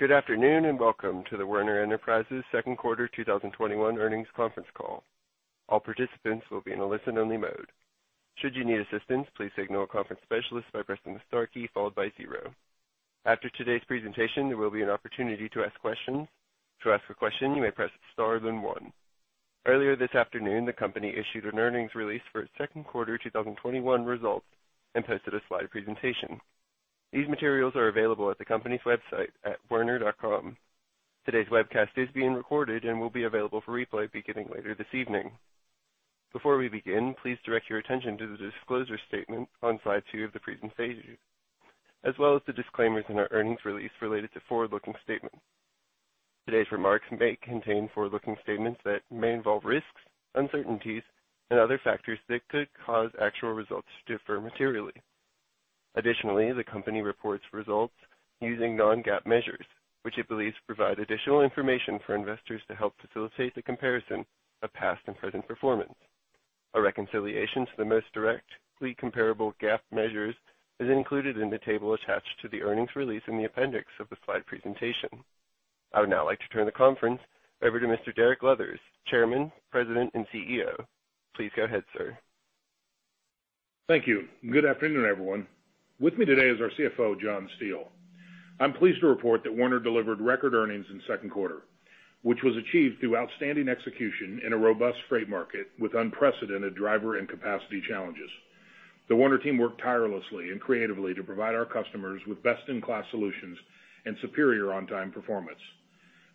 Good afternoon, and welcome to the Werner Enterprises second quarter 2021 earnings conference call. Earlier this afternoon, the company issued an earnings release for its second quarter 2021 results and posted a slide presentation. These materials are available at the company's website at werner.com. Today's webcast is being recorded and will be available for replay beginning later this evening. Before we begin, please direct your attention to the disclosure statement on slide two of the presentation, as well as the disclaimers in our earnings release related to forward-looking statements. Today's remarks may contain forward-looking statements that may involve risks, uncertainties, and other factors that could cause actual results to differ materially. Additionally, the company reports results using non-GAAP measures, which it believes provide additional information for investors to help facilitate the comparison of past and present performance. A reconciliation to the most directly comparable GAAP measures is included in the table attached to the earnings release in the appendix of the slide presentation. I would now like to turn the conference over to Mr. Derek Leathers, Chairman, President, and CEO. Please go ahead, sir. Thank you. Good afternoon, everyone. With me today is our CFO, John Steele. I'm pleased to report that Werner delivered record earnings in second quarter, which was achieved through outstanding execution in a robust freight market with unprecedented driver and capacity challenges. The Werner team worked tirelessly and creatively to provide our customers with best-in-class solutions and superior on-time performance.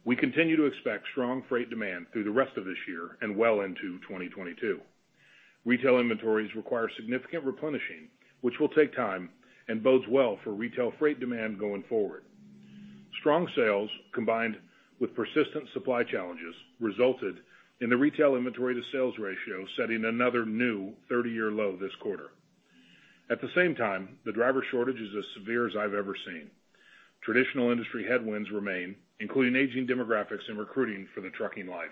We continue to expect strong freight demand through the rest of this year and well into 2022. Retail inventories require significant replenishing, which will take time and bodes well for retail freight demand going forward. Strong sales combined with persistent supply challenges resulted in the retail inventory to sales ratio setting another new 30-year low this quarter. At the same time, the driver shortage is as severe as I've ever seen. Traditional industry headwinds remain, including aging demographics and recruiting for the trucking life.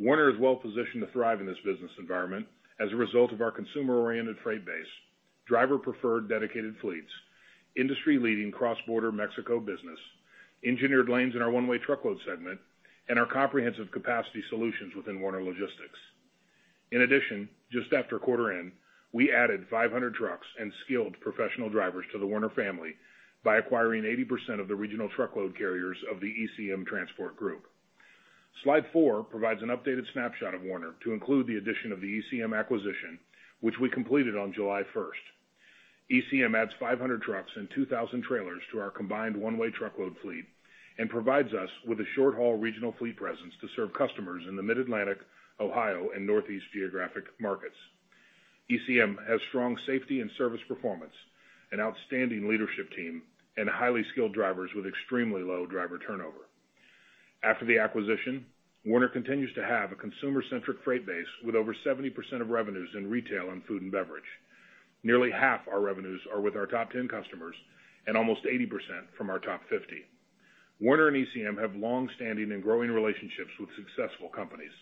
Werner is well-positioned to thrive in this business environment as a result of our consumer-oriented freight base, driver-preferred dedicated fleets, industry-leading cross-border Mexico business, engineered lanes in our One-Way Truckload segment, and our comprehensive capacity solutions within Werner Logistics. Just after quarter end, we added 500 trucks and skilled professional drivers to the Werner family by acquiring 80% of the regional truckload carriers of the ECM Transport Group. Slide four provides an updated snapshot of Werner to include the addition of the ECM acquisition, which we completed on July 1st. ECM adds 500 trucks and 2,000 trailers to our combined One-Way Truckload fleet and provides us with a short-haul regional fleet presence to serve customers in the Mid-Atlantic, Ohio, and Northeast geographic markets. ECM has strong safety and service performance, an outstanding leadership team, and highly skilled drivers with extremely low driver turnover. After the acquisition, Werner continues to have a consumer-centric freight base with over 70% of revenues in retail and food and beverage. Nearly half our revenues are with our top 10 customers and almost 80% from our top 50. Werner and ECM have longstanding and growing relationships with successful companies.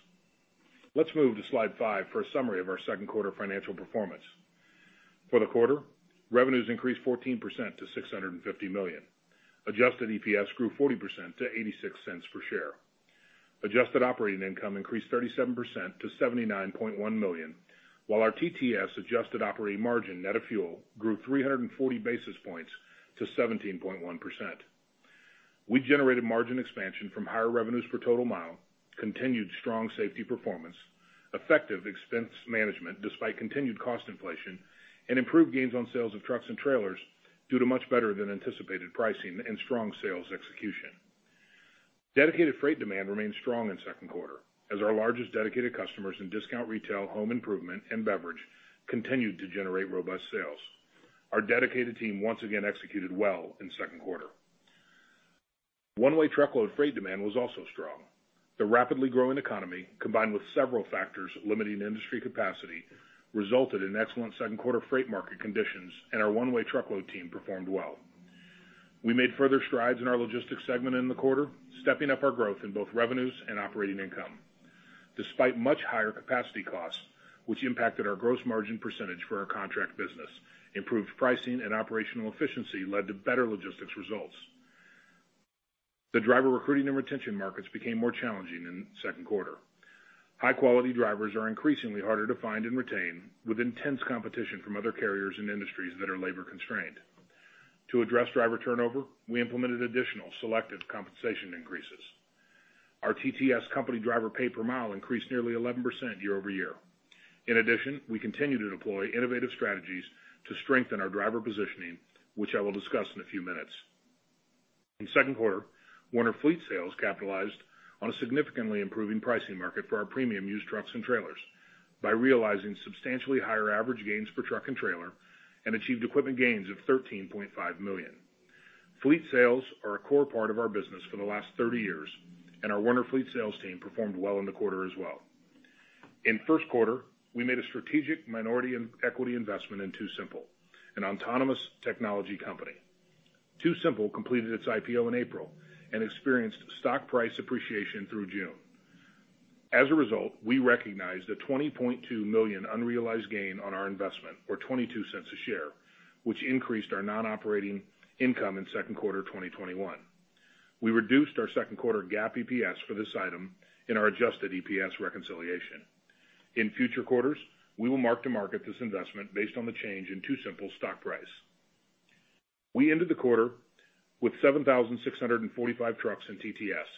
Let's move to slide five for a summary of our second quarter financial performance. For the quarter, revenues increased 14% to $650 million. Adjusted EPS grew 40% to $0.86 per share. Adjusted operating income increased 37% to $79.1 million, while our TTS adjusted operating margin net of fuel grew 340 basis points to 17.1%. We generated margin expansion from higher revenues per total mile, continued strong safety performance, effective expense management despite continued cost inflation, and improved gains on sales of trucks and trailers due to much better than anticipated pricing and strong sales execution. Dedicated freight demand remained strong in second quarter as our largest dedicated customers in discount retail, home improvement, and beverage continued to generate robust sales. Our dedicated team once again executed well in second quarter. One-Way Truckload freight demand was also strong. The rapidly growing economy, combined with several factors limiting industry capacity, resulted in excellent second-quarter freight market conditions, and our One-Way Truckload team performed well. We made further strides in our Logistics segment in the quarter, stepping up our growth in both revenues and operating income. Despite much higher capacity costs, which impacted our gross margin percentage for our contract business, improved pricing and operational efficiency led to better logistics results. The driver recruiting and retention markets became more challenging in the second quarter. High-quality drivers are increasingly harder to find and retain, with intense competition from other carriers and industries that are labor-constrained. To address driver turnover, we implemented additional selective compensation increases. Our TTS company driver pay per mile increased nearly 11% year-over-year. We continue to deploy innovative strategies to strengthen our driver positioning, which I will discuss in a few minutes. In second quarter, Werner Fleet Sales capitalized on a significantly improving pricing market for our premium used trucks and trailers by realizing substantially higher average gains per truck and trailer and achieved equipment gains of $13.5 million. Fleet sales are a core part of our business for the last 30 years, and our Werner Fleet Sales team performed well in the quarter as well. In first quarter, we made a strategic minority equity investment in TuSimple, an autonomous technology company. TuSimple completed its IPO in April and experienced stock price appreciation through June. We recognized a $20.2 million unrealized gain on our investment, or $0.22 a share, which increased our non-operating income in second quarter 2021. We reduced our second quarter GAAP EPS for this item in our adjusted EPS reconciliation. In future quarters, we will mark to market this investment based on the change in TuSimple's stock price. We ended the quarter with 7,645 trucks in TTS,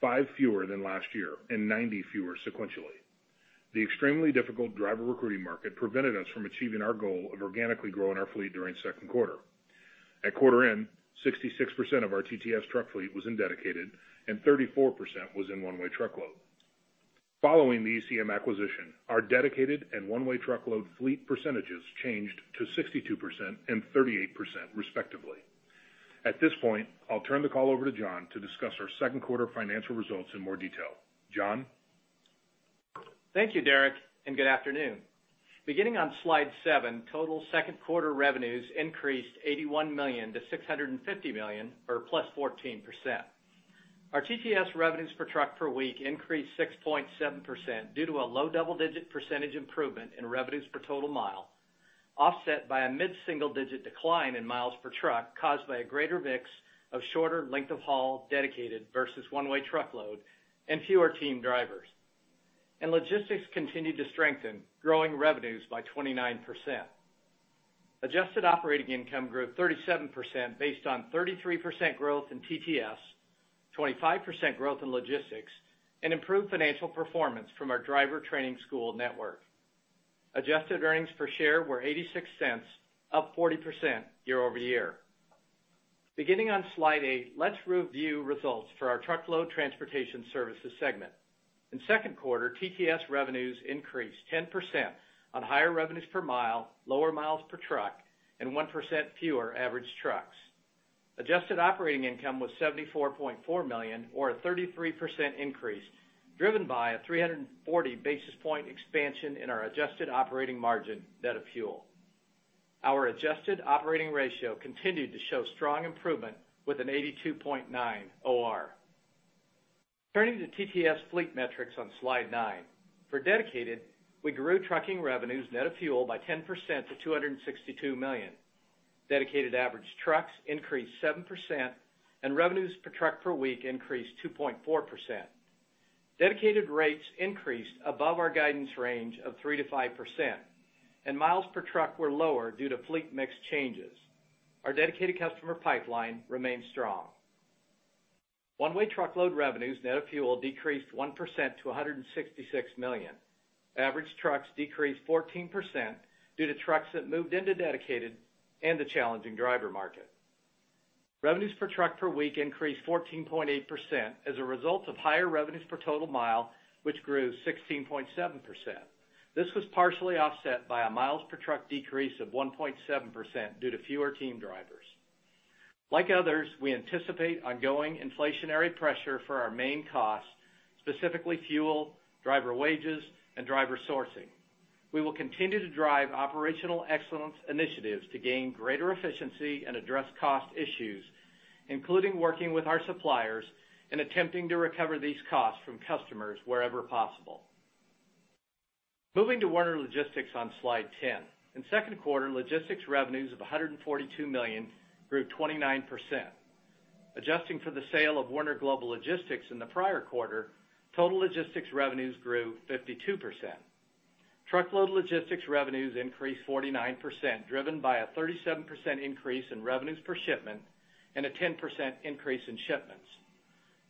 five fewer than last year and 90 fewer sequentially. The extremely difficult driver recruiting market prevented us from achieving our goal of organically growing our fleet during second quarter. At quarter end, 66% of our TTS truck fleet was in dedicated, and 34% was in One-Way Truckload. Following the ECM acquisition, our dedicated and One-Way Truckload fleet percentages changed to 62% and 38%, respectively. At this point, I'll turn the call over to John to discuss our second quarter financial results in more detail. John? Thank you, Derek, and good afternoon. Beginning on slide seven, total second quarter revenues increased $81 million-$650 million, or +14%. Our TTS revenues per truck per week increased 6.7% due to a low double-digit percentage improvement in revenues per total mile, offset by a mid-single-digit decline in miles per truck caused by a greater mix of shorter length of haul dedicated versus One-Way Truckload and fewer team drivers. Logistics continued to strengthen, growing revenues by 29%. Adjusted operating income grew 37% based on 33% growth in TTS, 25% growth in logistics, and improved financial performance from our driver training school network. Adjusted earnings per share were $0.86, up 40% year-over-year. Beginning on slide eight, let's review results for our Truckload Transportation Services segment. In second quarter, TTS revenues increased 10% on higher revenues per mile, lower miles per truck, and 1% fewer average trucks. Adjusted operating income was $74.4 million, or a 33% increase, driven by a 340 basis point expansion in our adjusted operating margin net of fuel. Our adjusted operating ratio continued to show strong improvement with an 82.9% OR. Turning to TTS fleet metrics on Slide nine. For dedicated, we grew trucking revenues net of fuel by 10% to $262 million. Dedicated average trucks increased 7%, and revenues per truck per week increased 2.4%. Dedicated rates increased above our guidance range of 3%-5%, and miles per truck were lower due to fleet mix changes. Our dedicated customer pipeline remains strong. One-Way Truckload revenues net of fuel decreased 1% to $166 million. Average trucks decreased 14% due to trucks that moved into dedicated and the challenging driver market. Revenues per truck per week increased 14.8% as a result of higher revenues per total mile, which grew 16.7%. This was partially offset by a miles per truck decrease of 1.7% due to fewer team drivers. Like others, we anticipate ongoing inflationary pressure for our main costs, specifically fuel, driver wages, and driver sourcing. We will continue to drive operational excellence initiatives to gain greater efficiency and address cost issues, including working with our suppliers and attempting to recover these costs from customers wherever possible. Moving to Werner Logistics on slide 10. In second quarter, logistics revenues of $142 million grew 29%. Adjusting for the sale of Werner Global Logistics in the prior quarter, total logistics revenues grew 52%. Truckload logistics revenues increased 49%, driven by a 37% increase in revenues per shipment and a 10% increase in shipments.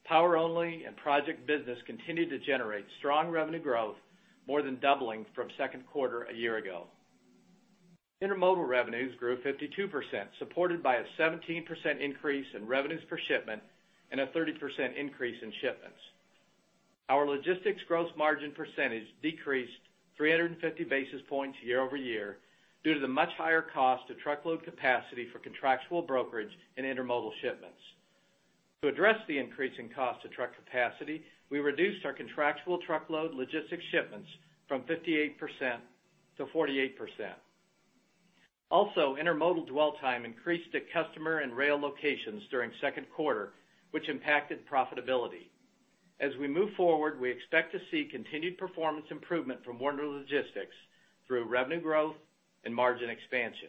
Power only and project business continued to generate strong revenue growth, more than doubling from second quarter a year ago. Intermodal revenues grew 52%, supported by a 17% increase in revenues per shipment and a 30% increase in shipments. Our logistics gross margin percentage decreased 350 basis points year-over-year due to the much higher cost of truckload capacity for contractual brokerage and intermodal shipments. To address the increase in cost of truck capacity, we reduced our contractual truckload logistics shipments from 58%-48%. Also, intermodal dwell time increased at customer and rail locations during second quarter, which impacted profitability. As we move forward, we expect to see continued performance improvement from Werner Logistics through revenue growth and margin expansion.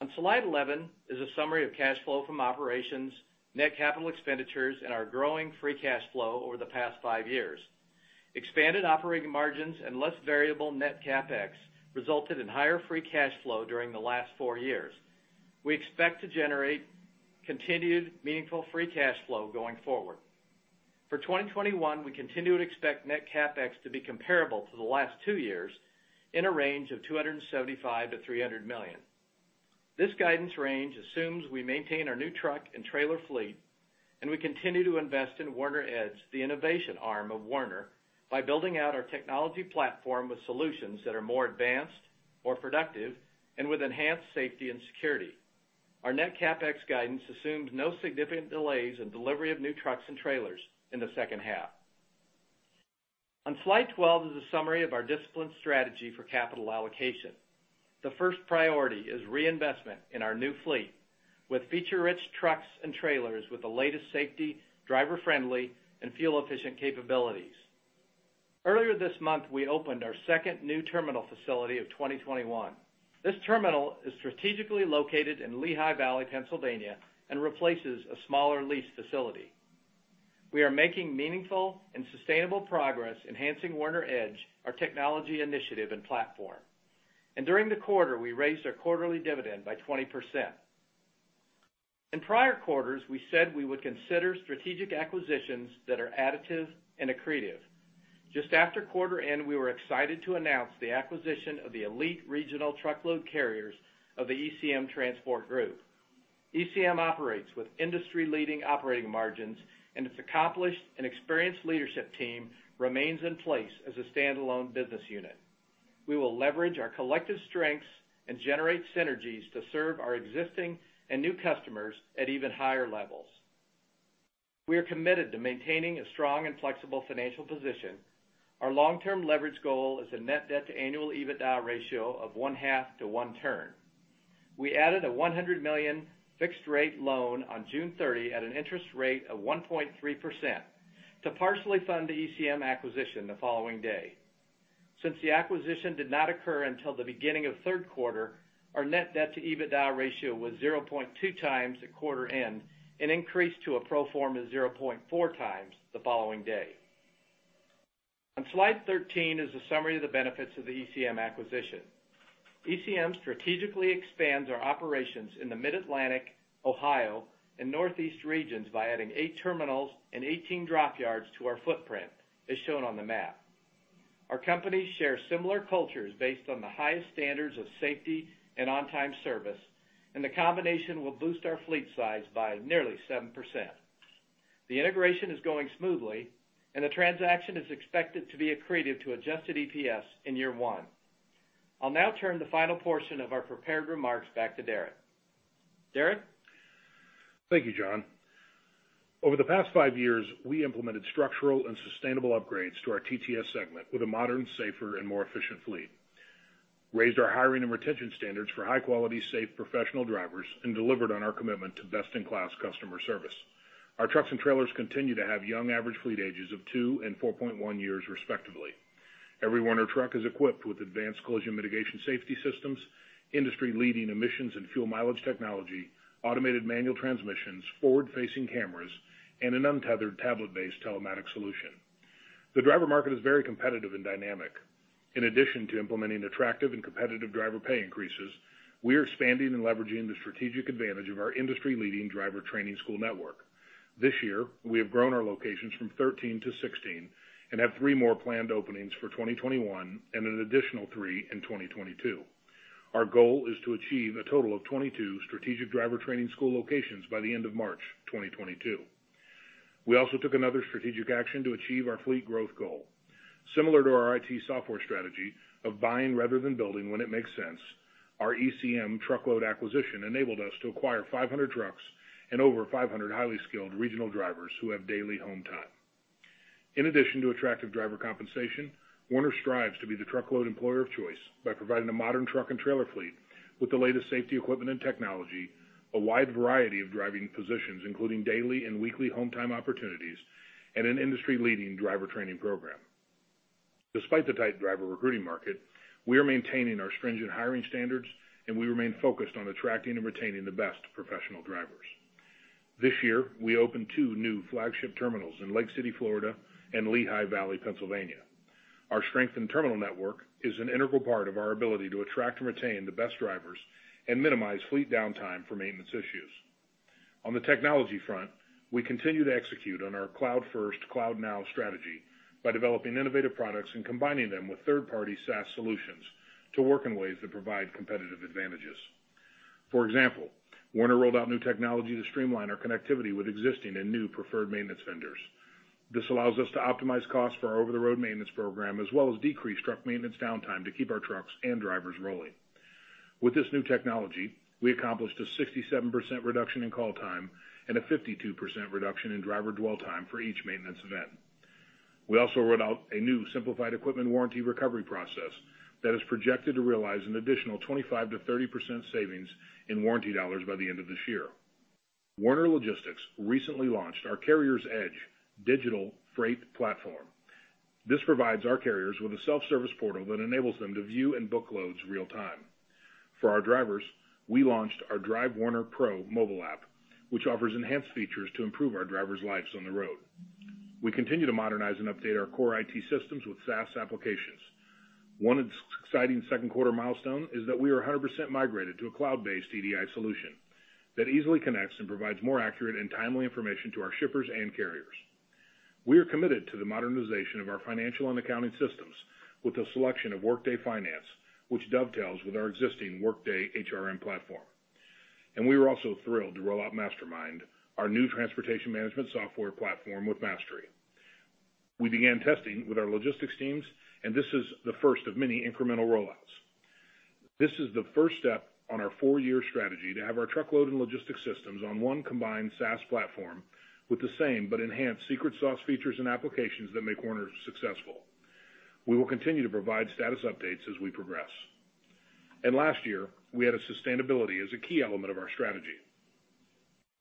On slide 11 is a summary of cash flow from operations, net capital expenditures, and our growing free cash flow over the past five years. Expanded operating margins and less variable net CapEx resulted in higher free cash flow during the last four years. We expect to generate continued meaningful free cash flow going forward. For 2021, we continue to expect net CapEx to be comparable to the last two years in a range of $275 million-$300 million. This guidance range assumes we maintain our new truck and trailer fleet, and we continue to invest in Werner EDGE, the innovation arm of Werner, by building out our technology platform with solutions that are more advanced, more productive, and with enhanced safety and security. Our net CapEx guidance assumes no significant delays in delivery of new trucks and trailers in the second half. On slide 12 is a summary of our disciplined strategy for capital allocation. The first priority is reinvestment in our new fleet, with feature-rich trucks and trailers with the latest safety, driver-friendly, and fuel-efficient capabilities. Earlier this month, we opened our second new terminal facility of 2021. This terminal is strategically located in Lehigh Valley, Pennsylvania, and replaces a smaller leased facility. We are making meaningful and sustainable progress enhancing Werner EDGE, our technology initiative and platform. During the quarter, we raised our quarterly dividend by 20%. In prior quarters, we said we would consider strategic acquisitions that are additive and accretive. Just after quarter end, we were excited to announce the acquisition of the elite regional truckload carriers of the ECM Transport Group. ECM operates with industry-leading operating margins, and its accomplished and experienced leadership team remains in place as a standalone business unit. We will leverage our collective strengths and generate synergies to serve our existing and new customers at even higher levels. We are committed to maintaining a strong and flexible financial position. Our long-term leverage goal is a net debt to annual EBITDA ratio of 1.5:1 turn. We added a $100 million fixed-rate loan on June 30 at an interest rate of 1.3% to partially fund the ECM acquisition the following day. Since the acquisition did not occur until the beginning of the third quarter, our net debt to EBITDA ratio was 0.2x at quarter end and increased to a pro forma 0.4x the following day. On slide 13 is a summary of the benefits of the ECM acquisition. ECM strategically expands our operations in the Mid-Atlantic, Ohio, and Northeast regions by adding eight terminals and 18 drop yards to our footprint, as shown on the map. Our companies share similar cultures based on the highest standards of safety and on-time service, and the combination will boost our fleet size by nearly 7%. The integration is going smoothly, and the transaction is expected to be accretive to adjusted EPS in year one. I'll now turn the final portion of our prepared remarks back to Darek. Darek? Thank you, John. Over the past five years, we implemented structural and sustainable upgrades to our TTS segment with a modern, safer, and more efficient fleet, raised our hiring and retention standards for high-quality, safe, professional drivers, and delivered on our commitment to best-in-class customer service. Our trucks and trailers continue to have young average fleet ages of two and 4.1 years, respectively. Every Werner truck is equipped with advanced Collision Mitigation safety systems, industry-leading emissions and fuel mileage technology, Automated Manual Transmissions, Forward-Facing Cameras, and an untethered tablet-based telematic solution. The driver market is very competitive and dynamic. In addition to implementing attractive and competitive driver pay increases, we are expanding and leveraging the strategic advantage of our industry-leading driver training school network. This year, we have grown our locations from 13 to 16 and have three more planned openings for 2021 and an additional three in 2022. Our goal is to achieve a total of 22 strategic driver training school locations by the end of March 2022. We also took another strategic action to achieve our fleet growth goal. Similar to our IT software strategy of buying rather than building when it makes sense, our ECM truckload acquisition enabled us to acquire 500 trucks and over 500 highly skilled regional drivers who have daily home time. In addition to attractive driver compensation, Werner strives to be the truckload employer of choice by providing a modern truck and trailer fleet with the latest safety equipment and technology, a wide variety of driving positions, including daily and weekly home time opportunities, and an industry-leading driver training program. Despite the tight driver recruiting market, we are maintaining our stringent hiring standards, and we remain focused on attracting and retaining the best professional drivers. This year, we opened two new flagship terminals in Lake City, Florida and Lehigh Valley, Pennsylvania. Our strength in terminal network is an integral part of our ability to attract and retain the best drivers and minimize fleet downtime for maintenance issues. On the technology front, we continue to execute on our cloud-first, cloud-now strategy by developing innovative products and combining them with third-party SaaS solutions to work in ways that provide competitive advantages. For example, Werner rolled out new technology to streamline our connectivity with existing and new preferred maintenance vendors. This allows us to optimize costs for our over-the-road maintenance program, as well as decrease truck maintenance downtime to keep our trucks and drivers rolling. With this new technology, we accomplished a 67% reduction in call time and a 52% reduction in driver dwell time for each maintenance event. We also rolled out a new simplified equipment warranty recovery process that is projected to realize an additional 25%-30% savings in warranty dollars by the end of this year. Werner Logistics recently launched our Carrier's EDGE digital freight platform. This provides our carriers with a self-service portal that enables them to view and book loads in real time. For our drivers, we launched our Drive Werner Pro mobile app, which offers enhanced features to improve our drivers' lives on the road. We continue to modernize and update our core IT systems with SaaS applications. One exciting second-quarter milestone is that we are 100% migrated to a cloud-based EDI solution that easily connects and provides more accurate and timely information to our shippers and carriers. We are committed to the modernization of our financial and accounting systems with the selection of Workday Finance, which dovetails with our existing Workday HRM platform. We were also thrilled to roll out MasterMind, our new transportation management software platform with Mastery. We began testing with our logistics teams, this is the first of many incremental rollouts. This is the first step on our four-year strategy to have our truckload and logistics systems on one combined SaaS platform with the same but enhanced secret sauce features and applications that make Werner successful. We will continue to provide status updates as we progress. Last year, we added sustainability as a key element of our strategy.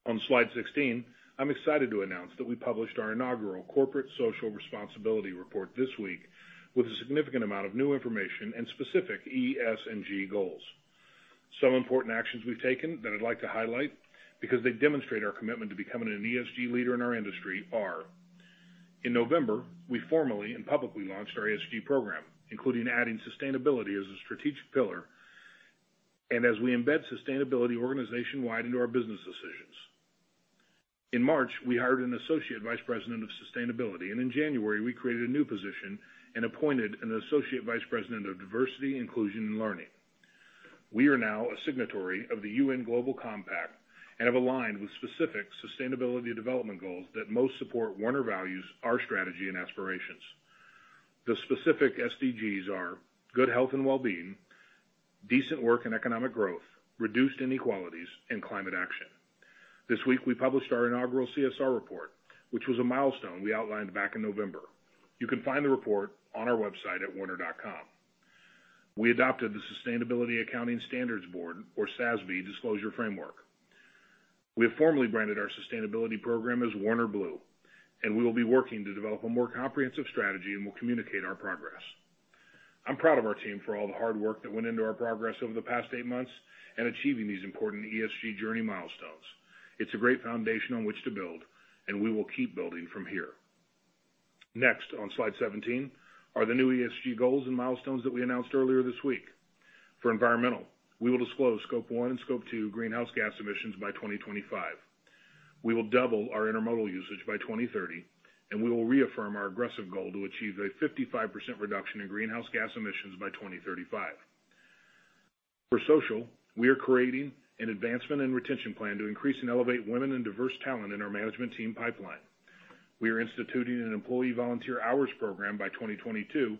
On slide 16, I'm excited to announce that we published our inaugural corporate social responsibility report this week with a significant amount of new information and specific ESG goals. Some important actions we've taken that I'd like to highlight because they demonstrate our commitment to becoming an ESG leader in our industry are, in November, we formally and publicly launched our ESG program, including adding sustainability as a strategic pillar, and as we embed sustainability organization-wide into our business decisions. In March, we hired an associate vice president of sustainability. In January, we created a new position and appointed an associate vice president of diversity, inclusion, and learning. We are now a signatory of the UN Global Compact and have aligned with specific sustainability development goals that most support Werner values, our strategy, and aspirations. The specific SDGs are Good Health and Well-being, Decent Work and Economic Growth, Reduced Inequalities, and Climate Action. This week, we published our inaugural CSR report, which was a milestone we outlined back in November. You can find the report on our website at werner.com. We adopted the Sustainability Accounting Standards Board, or SASB, disclosure framework. We have formally branded our sustainability program as Werner Blue, and we will be working to develop a more comprehensive strategy, and we'll communicate our progress. I'm proud of our team for all the hard work that went into our progress over the past eight months and achieving these important ESG journey milestones. It's a great foundation on which to build, and we will keep building from here. Next, on slide 17, are the new ESG goals and milestones that we announced earlier this week. For environmental, we will disclose Scope 1 and Scope 2 greenhouse gas emissions by 2025. We will double our intermodal usage by 2030, and we will reaffirm our aggressive goal to achieve a 55% reduction in greenhouse gas emissions by 2035. For social, we are creating an advancement and retention plan to increase and elevate women and diverse talent in our management team pipeline. We are instituting an employee volunteer hours program by 2022,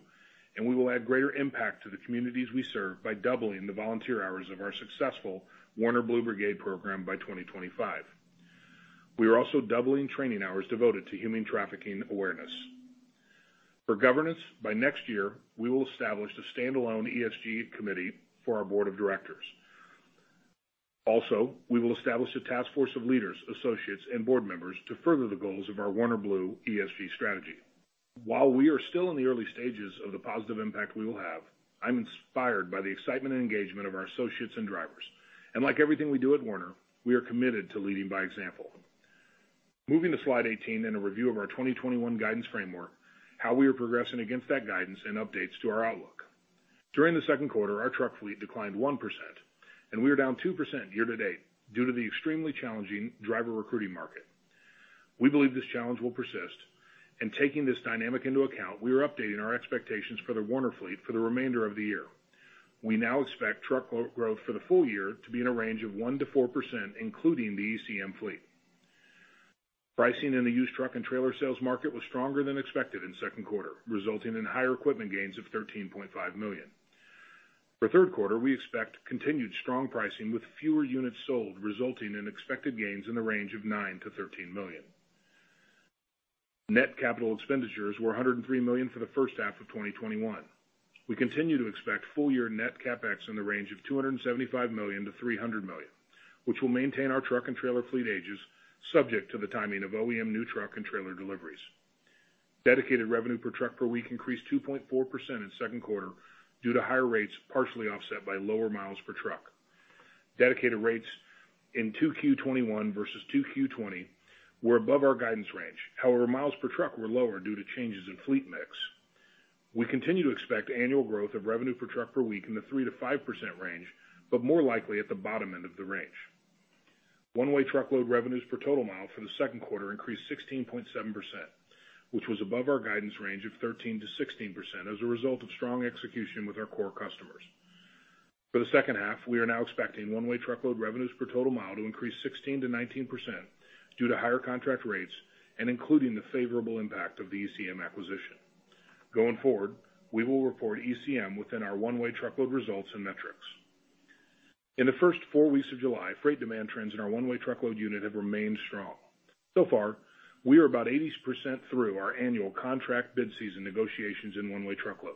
and we will add greater impact to the communities we serve by doubling the volunteer hours of our successful Werner Blue Brigade program by 2025. We are also doubling training hours devoted to human trafficking awareness. For governance, by next year, we will establish a standalone ESG committee for our board of directors. We will establish a task force of leaders, associates, and board members to further the goals of our Werner Blue ESG strategy. While we are still in the early stages of the positive impact we will have, I'm inspired by the excitement and engagement of our associates and drivers. Like everything we do at Werner, we are committed to leading by example. Moving to slide 18 and a review of our 2021 guidance framework, how we are progressing against that guidance, and updates to our outlook. During the second quarter, our truck fleet declined 1%, and we are down 2% year to date due to the extremely challenging driver recruiting market. We believe this challenge will persist, and taking this dynamic into account, we are updating our expectations for the Werner fleet for the remainder of the year. We now expect truck growth for the full year to be in a range of 1%-4%, including the ECM fleet. Pricing in the used truck and trailer sales market was stronger than expected in second quarter, resulting in higher equipment gains of $13.5 million. For third quarter, we expect continued strong pricing with fewer units sold, resulting in expected gains in the range of $9 million-$13 million. Net capital expenditures were $103 million for the first half of 2021. We continue to expect full year net CapEx in the range of $275 million-$300 million, which will maintain our truck and trailer fleet ages subject to the timing of OEM new truck and trailer deliveries. Dedicated revenue per truck per week increased 2.4% in second quarter due to higher rates, partially offset by lower miles per truck. Dedicated rates in 2Q21 versus 2Q20 were above our guidance range. However, miles per truck were lower due to changes in fleet mix. We continue to expect annual growth of revenue per truck per week in the 3%-5% range, but more likely at the bottom end of the range. One-Way Truckload revenues per total mile for the second quarter increased 16.7%, which was above our guidance range of 13%-16% as a result of strong execution with our core customers. For the second half, we are now expecting One-Way Truckload revenues per total mile to increase 16%-19% due to higher contract rates and including the favorable impact of the ECM acquisition. Going forward, we will report ECM within our One-Way Truckload results and metrics. In the first four weeks of July, freight demand trends in our One-Way Truckload unit have remained strong. Far, we are about 80% through our annual contract bid season negotiations in One-Way Truckload.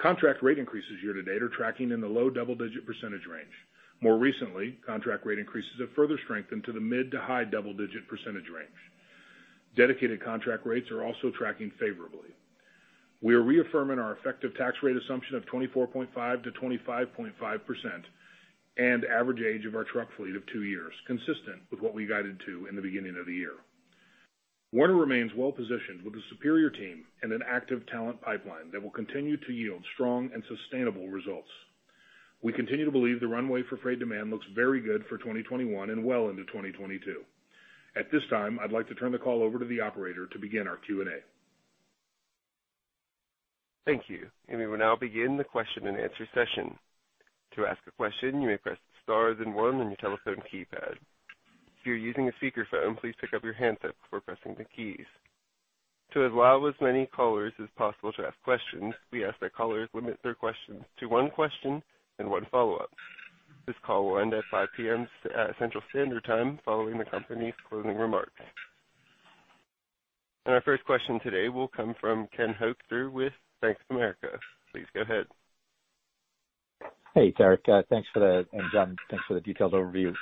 Contract rate increases year to date are tracking in the low double-digit percentage range. More recently, contract rate increases have further strengthened to the mid to high double-digit percentage range. Dedicated contract rates are also tracking favorably. We are reaffirming our effective tax rate assumption of 24.5%-25.5% and average age of our truck fleet of two years, consistent with what we guided to in the beginning of the year. Werner remains well-positioned with a superior team and an active talent pipeline that will continue to yield strong and sustainable results. We continue to believe the runway for freight demand looks very good for 2021 and well into 2022. At this time, I'd like to turn the call over to the operator to begin our Q&A. Thank you. We will now begin the question and answer session. This call will end at 5:00 P.M. Central Standard Time following the company's closing remarks. Our first question today will come from Ken Hoexter with Bank of America. Please go ahead. Hey, Derek. Thanks for that. John, thanks for the detailed overview.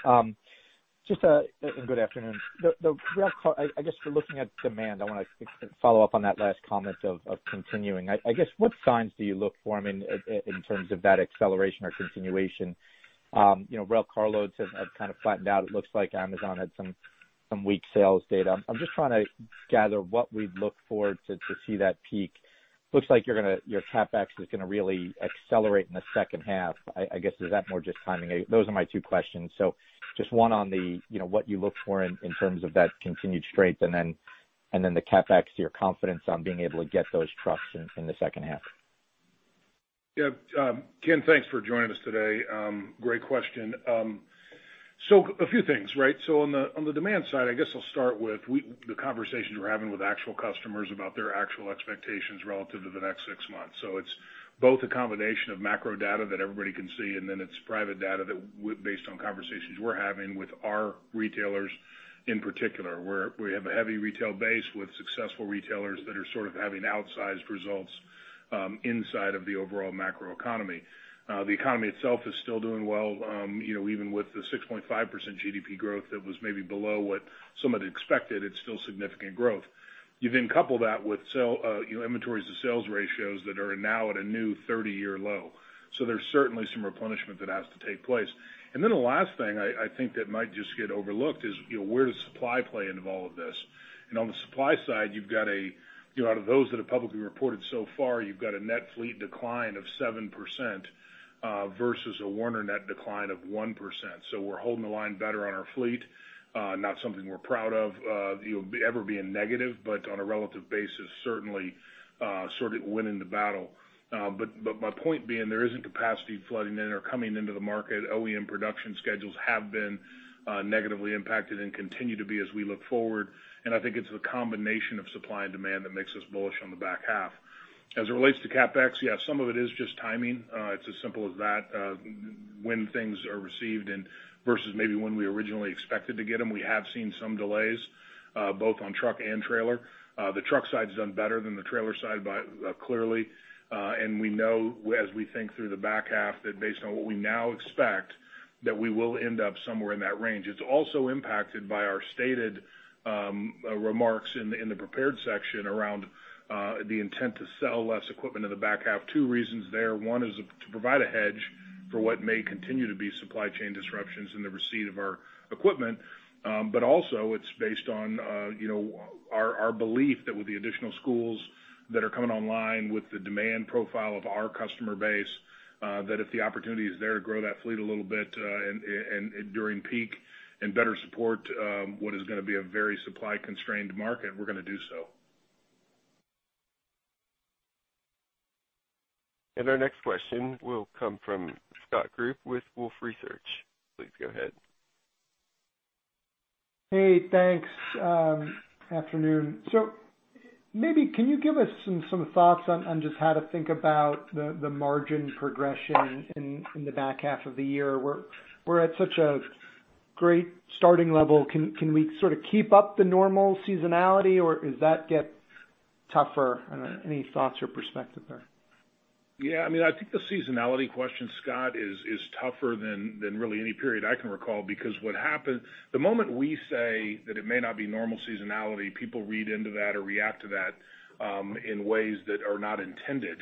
Good afternoon. I guess we're looking at demand. I want to follow up on that last comment of continuing. I guess, what signs do you look for in terms of that acceleration or continuation? Rail car loads have kind of flattened out. It looks like Amazon had some weak sales data. I'm just trying to gather what we'd look for to see that peak. Looks like your CapEx is going to really accelerate in the second half. I guess, is that more just timing? Those are my two questions. Just one on what you look for in terms of that continued strength and then the CapEx, your confidence on being able to get those trucks in the second half. Yeah. Ken, thanks for joining us today. Great question. A few things, right? On the demand side, I guess I'll start with the conversations we're having with actual customers about their actual expectations relative to the next six months. It's both a combination of macro data that everybody can see, and it's private data based on conversations we're having with our retailers in particular, where we have a heavy retail base with successful retailers that are sort of having outsized results inside of the overall macro economy. The economy itself is still doing well. Even with the 6.5% GDP growth that was maybe below what some had expected, it's still significant growth. You couple that with inventories to sales ratios that are now at a new 30-year low. There's certainly some replenishment that has to take place. The last thing I think that might just get overlooked is, where does supply play into all of this? On the supply side, out of those that have publicly reported so far, you've got a net fleet decline of 7%, versus a Werner net decline of 1%. We're holding the line better on our fleet. Not something we're proud of ever being negative, but on a relative basis, certainly sort of winning the battle. My point being, there isn't capacity flooding in or coming into the market. OEM production schedules have been negatively impacted and continue to be as we look forward. I think it's the combination of supply and demand that makes us bullish on the back half. As it relates to CapEx, yeah, some of it is just timing. It's as simple as that. When things are received versus maybe when we originally expected to get them. We have seen some delays, both on truck and trailer. The truck side's done better than the trailer side, clearly. We know as we think through the back half that based on what we now expect, that we will end up somewhere in that range. It's also impacted by our stated remarks in the prepared section around the intent to sell less equipment in the back half. Two reasons there. One is to provide a hedge for what may continue to be supply chain disruptions in the receipt of our equipment. Also it's based on our belief that with the additional schools that are coming online with the demand profile of our customer base, that if the opportunity is there to grow that fleet a little bit during peak and better support what is going to be a very supply-constrained market, we're going to do so. Our next question will come from Scott Group with Wolfe Research. Please go ahead. Hey, thanks. Afternoon. Maybe can you give us some thoughts on just how to think about the margin progression in the back half of the year? We're at such a great starting level. Can we sort of keep up the normal seasonality, or does that get tougher? Any thoughts or perspective there? Yeah, I think the seasonality question, Scott, is tougher than really any period I can recall because the moment we say that it may not be normal seasonality, people read into that or react to that in ways that are not intended.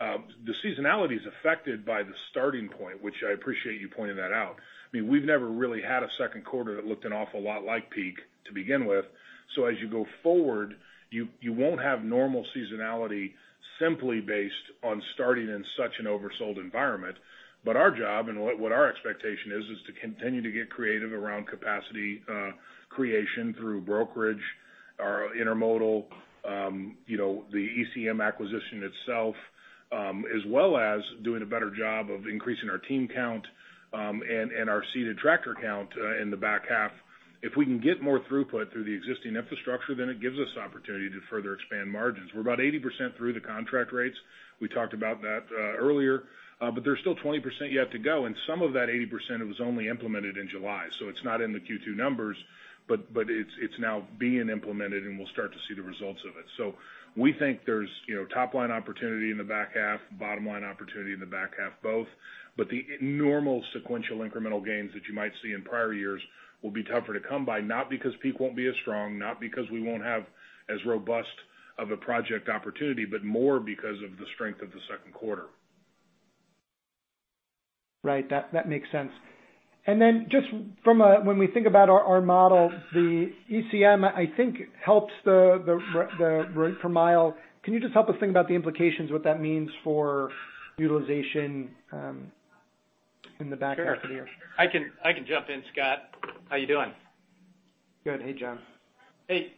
The seasonality is affected by the starting point, which I appreciate you pointing that out. We've never really had a second quarter that looked an awful lot like peak to begin with. As you go forward, you won't have normal seasonality simply based on starting in such an oversold environment. Our job and what our expectation is to continue to get creative around capacity creation through brokerage, our intermodal, the ECM acquisition itself, as well as doing a better job of increasing our team count and our seated tractor count in the back half. If we can get more throughput through the existing infrastructure, then it gives us opportunity to further expand margins. We're about 80% through the contract rates. We talked about that earlier. There's still 20% yet to go, and some of that 80% was only implemented in July, so it's not in the Q2 numbers, but it's now being implemented, and we'll start to see the results of it. We think there's top-line opportunity in the back half, bottom-line opportunity in the back half, both. The normal sequential incremental gains that you might see in prior years will be tougher to come by, not because peak won't be as strong, not because we won't have as robust of a project opportunity, but more because of the strength of the second quarter. Right. That makes sense. When we think about our model, the ECM, I think, helps the rate per mile. Can you just help us think about the implications, what that means for utilization in the back half of the year? Sure. I can jump in, Scott. How you doing? Good. Hey, John. Hey.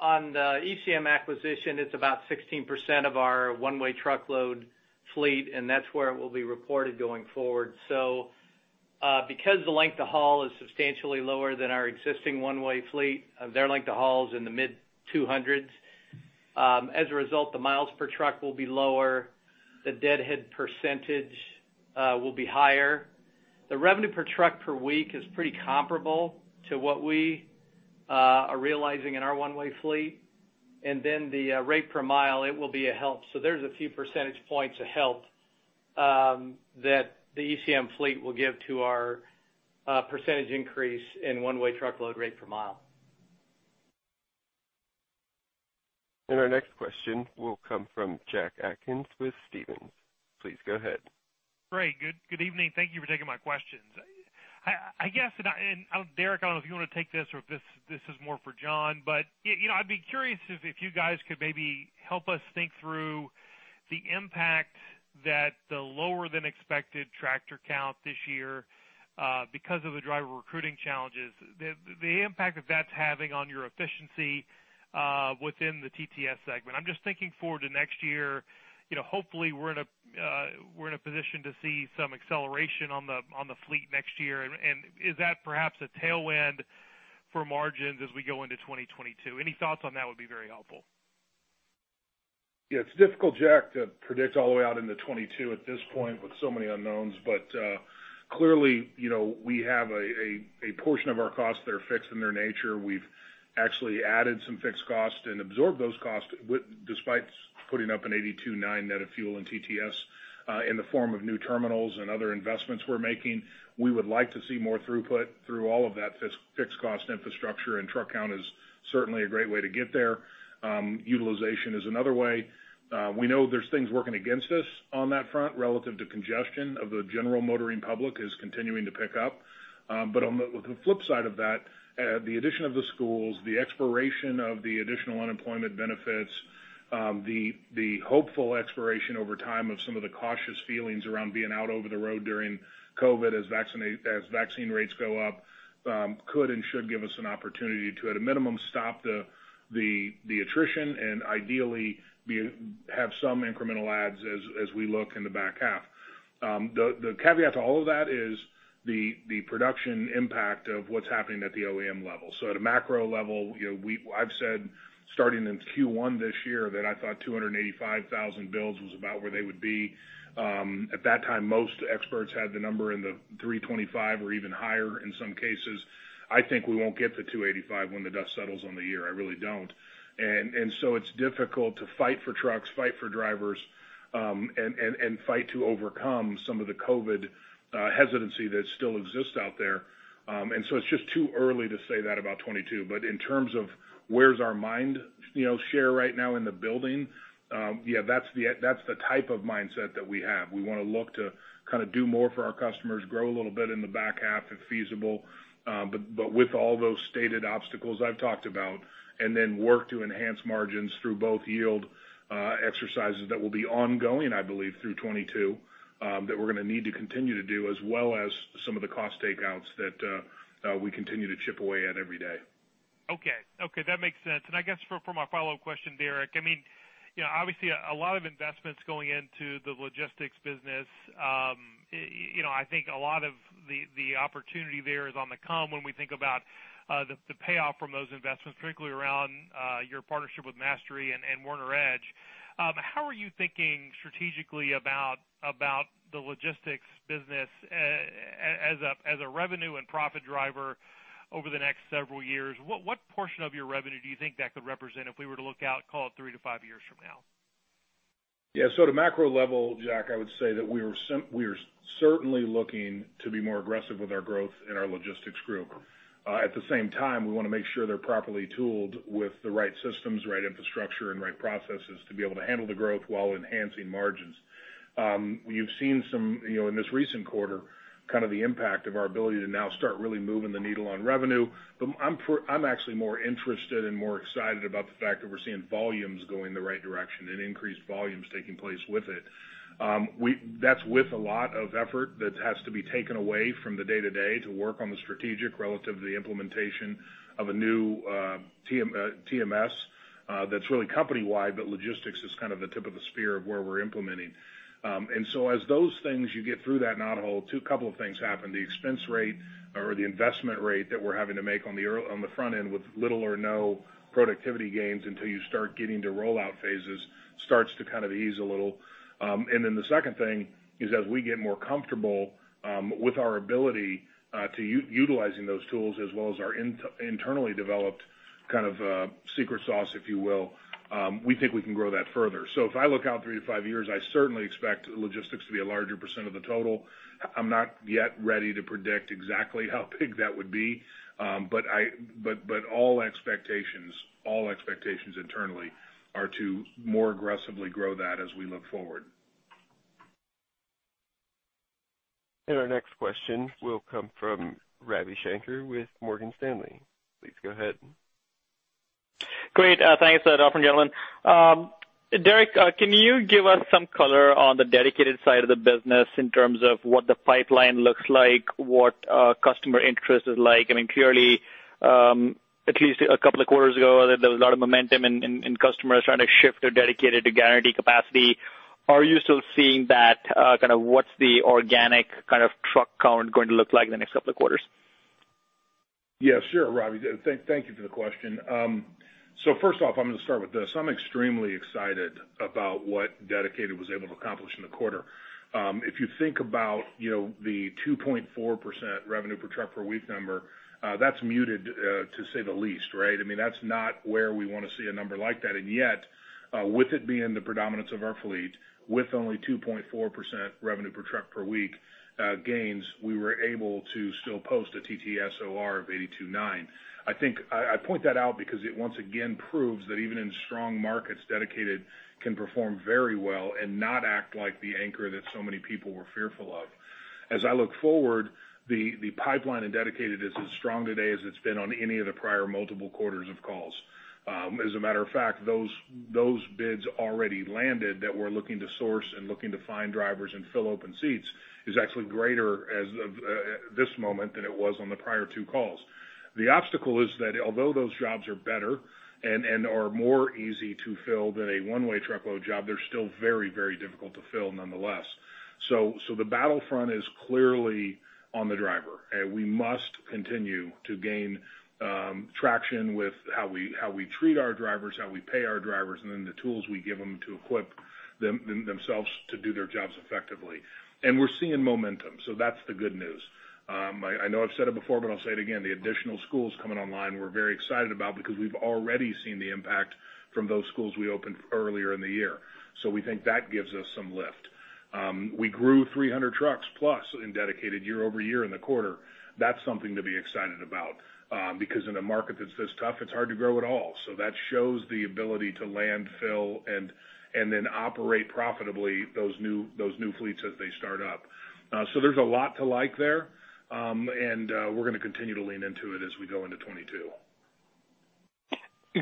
On the ECM acquisition, it's about 16% of our One-Way Truckload fleet, that's where it will be reported going forward. Because the length of haul is substantially lower than our existing One-Way fleet, their length of haul is in the mid-200s. As a result, the miles per truck will be lower. The deadhead percentage will be higher. The revenue per truck per week is pretty comparable to what we are realizing in our one-way fleet. The rate per mile, it will be a help. There's a few percentage points of help that the ECM fleet will give to our percentage increase in one-way truckload rate per mile. Our next question will come from Jack Atkins with Stephens. Please go ahead. Great. Good evening. Thank you for taking my questions. I guess, Derek, I don't know if you want to take this or if this is more for John, but I'd be curious if you guys could maybe help us think through the impact that the lower than expected tractor count this year, because of the driver recruiting challenges, the impact that that's having on your efficiency within the TTS segment. I'm just thinking forward to next year. Hopefully we're in a position to see some acceleration on the fleet next year. Is that perhaps a tailwind for margins as we go into 2022? Any thoughts on that would be very helpful. It's difficult, Jack, to predict all the way out into 2022 at this point with so many unknowns. Clearly, we have a portion of our costs that are fixed in their nature. We've actually added some fixed costs and absorbed those costs despite putting up an 82.9% net of fuel and TTS in the form of new terminals and other investments we're making. We would like to see more throughput through all of that fixed cost infrastructure, truck count is certainly a great way to get there. Utilization is another way. We know there's things working against us on that front relative to congestion of the general motoring public is continuing to pick up. On the flip side of that, the addition of the schools, the expiration of the additional unemployment benefits, the hopeful expiration over time of some of the cautious feelings around being out over the road during COVID as vaccine rates go up could and should give us an opportunity to, at a minimum, stop the attrition and ideally have some incremental adds as we look in the back half. The caveat to all of that is the production impact of what's happening at the OEM level. At a macro level, I've said starting in Q1 this year that I thought 285,000 builds was about where they would be. At that time, most experts had the number in the 325 or even higher in some cases. I think we won't get to 285 when the dust settles on the year. I really don't. It's difficult to fight for trucks, fight for drivers, and fight to overcome some of the COVID hesitancy that still exists out there. It's just too early to say that about 2022. In terms of where's our mind share right now in the building, yeah, that's the type of mindset that we have. We want to look to do more for our customers, grow a little bit in the back half if feasible, but with all those stated obstacles I've talked about, and then work to enhance margins through both yield exercises that will be ongoing, I believe, through 2022, that we're going to need to continue to do as well as some of the cost takeouts that we continue to chip away at every day. Okay. That makes sense. I guess for my follow-up question, Derek, obviously a lot of investments going into the logistics business. I think a lot of the opportunity there is on the come when we think about the payoff from those investments, particularly around your partnership with Mastery and Werner EDGE. How are you thinking strategically about the logistics business as a revenue and profit driver over the next several years? What portion of your revenue do you think that could represent if we were to look out, call it three to five years from now? Yeah. At a macro level, Jack, I would say that we are certainly looking to be more aggressive with our growth in our Logistics group. At the same time, we want to make sure they're properly tooled with the right systems, right infrastructure, and right processes to be able to handle the growth while enhancing margins. You've seen some, in this recent quarter, the impact of our ability to now start really moving the needle on revenue. I'm actually more interested and more excited about the fact that we're seeing volumes going the right direction and increased volumes taking place with it. That's with a lot of effort that has to be taken away from the day-to-day to work on the strategic relative to the implementation of a new TMS that's really company-wide, but logistics is kind of the tip of the spear of where we're implementing. As those things, you get through that knothole, two couple of things happen. The expense rate or the investment rate that we're having to make on the front end with little or no productivity gains until you start getting to rollout phases starts to ease a little. The second thing is as we get more comfortable with our ability to utilizing those tools as well as our internally developed kind of secret sauce, if you will, we think we can grow that further. If I look out three to five years, I certainly expect logistics to be a larger percentage of the total. I'm not yet ready to predict exactly how big that would be. All expectations internally are to more aggressively grow that as we look forward. Our next question will come from Ravi Shanker with Morgan Stanley. Please go ahead. Great. Thanks, gentlemen. Derek, can you give us some color on the dedicated side of the business in terms of what the pipeline looks like, what customer interest is like? Clearly, at least a couple of quarters ago, there was a lot of momentum in customers trying to shift their dedicated to guaranteed capacity. Are you still seeing that? What's the organic truck count going to look like in the next couple of quarters? Yes, sure, Ravi. Thank you for the question. First off, I'm going to start with this. I'm extremely excited about what dedicated was able to accomplish in the quarter. If you think about the 2.4% revenue per truck per week number, that's muted to say the least, right? That's not where we want to see a number like that. With it being the predominance of our fleet, with only 2.4% revenue per truck per week gains, we were able to still post a TTS OR of 82.9%. I point that out because it once again proves that even in strong markets, dedicated can perform very well and not act like the anchor that so many people were fearful of. As I look forward, the pipeline in dedicated is as strong today as it's been on any of the prior multiple quarters of calls. As a matter of fact, those bids already landed that we're looking to source and looking to find drivers and fill open seats is actually greater as of this moment than it was on the prior two calls. The obstacle is that although those jobs are better and are more easy to fill than a One-Way Truckload job, they're still very difficult to fill nonetheless. The battlefront is clearly on the driver, and we must continue to gain traction with how we treat our drivers, how we pay our drivers, and then the tools we give them to equip themselves to do their jobs effectively. We're seeing momentum, so that's the good news. I know I've said it before, but I'll say it again. The additional schools coming online, we're very excited about because we've already seen the impact from those schools we opened earlier in the year. We think that gives us some lift. We grew 300 trucks+ in dedicated year-over-year in the quarter. That's something to be excited about, because in a market that's this tough, it's hard to grow at all. That shows the ability to land fill and then operate profitably those new fleets as they start up. There's a lot to like there, and we're going to continue to lean into it as we go into 2022.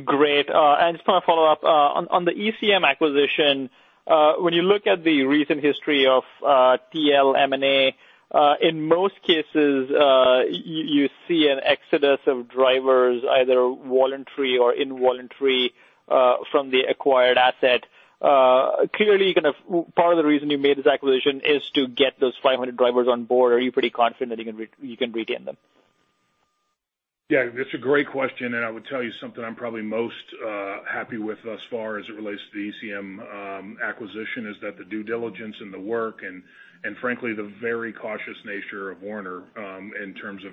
Great. Just want to follow up on the ECM acquisition, when you look at the recent history of TL M&A, in most cases, you see an exodus of drivers, either voluntary or involuntary, from the acquired asset. Clearly, part of the reason you made this acquisition is to get those 500 drivers on board. Are you pretty confident that you can retain them? Yeah, that's a great question, and I would tell you something I'm probably most happy with thus far as it relates to the ECM acquisition, is that the due diligence and the work and frankly, the very cautious nature of Werner in terms of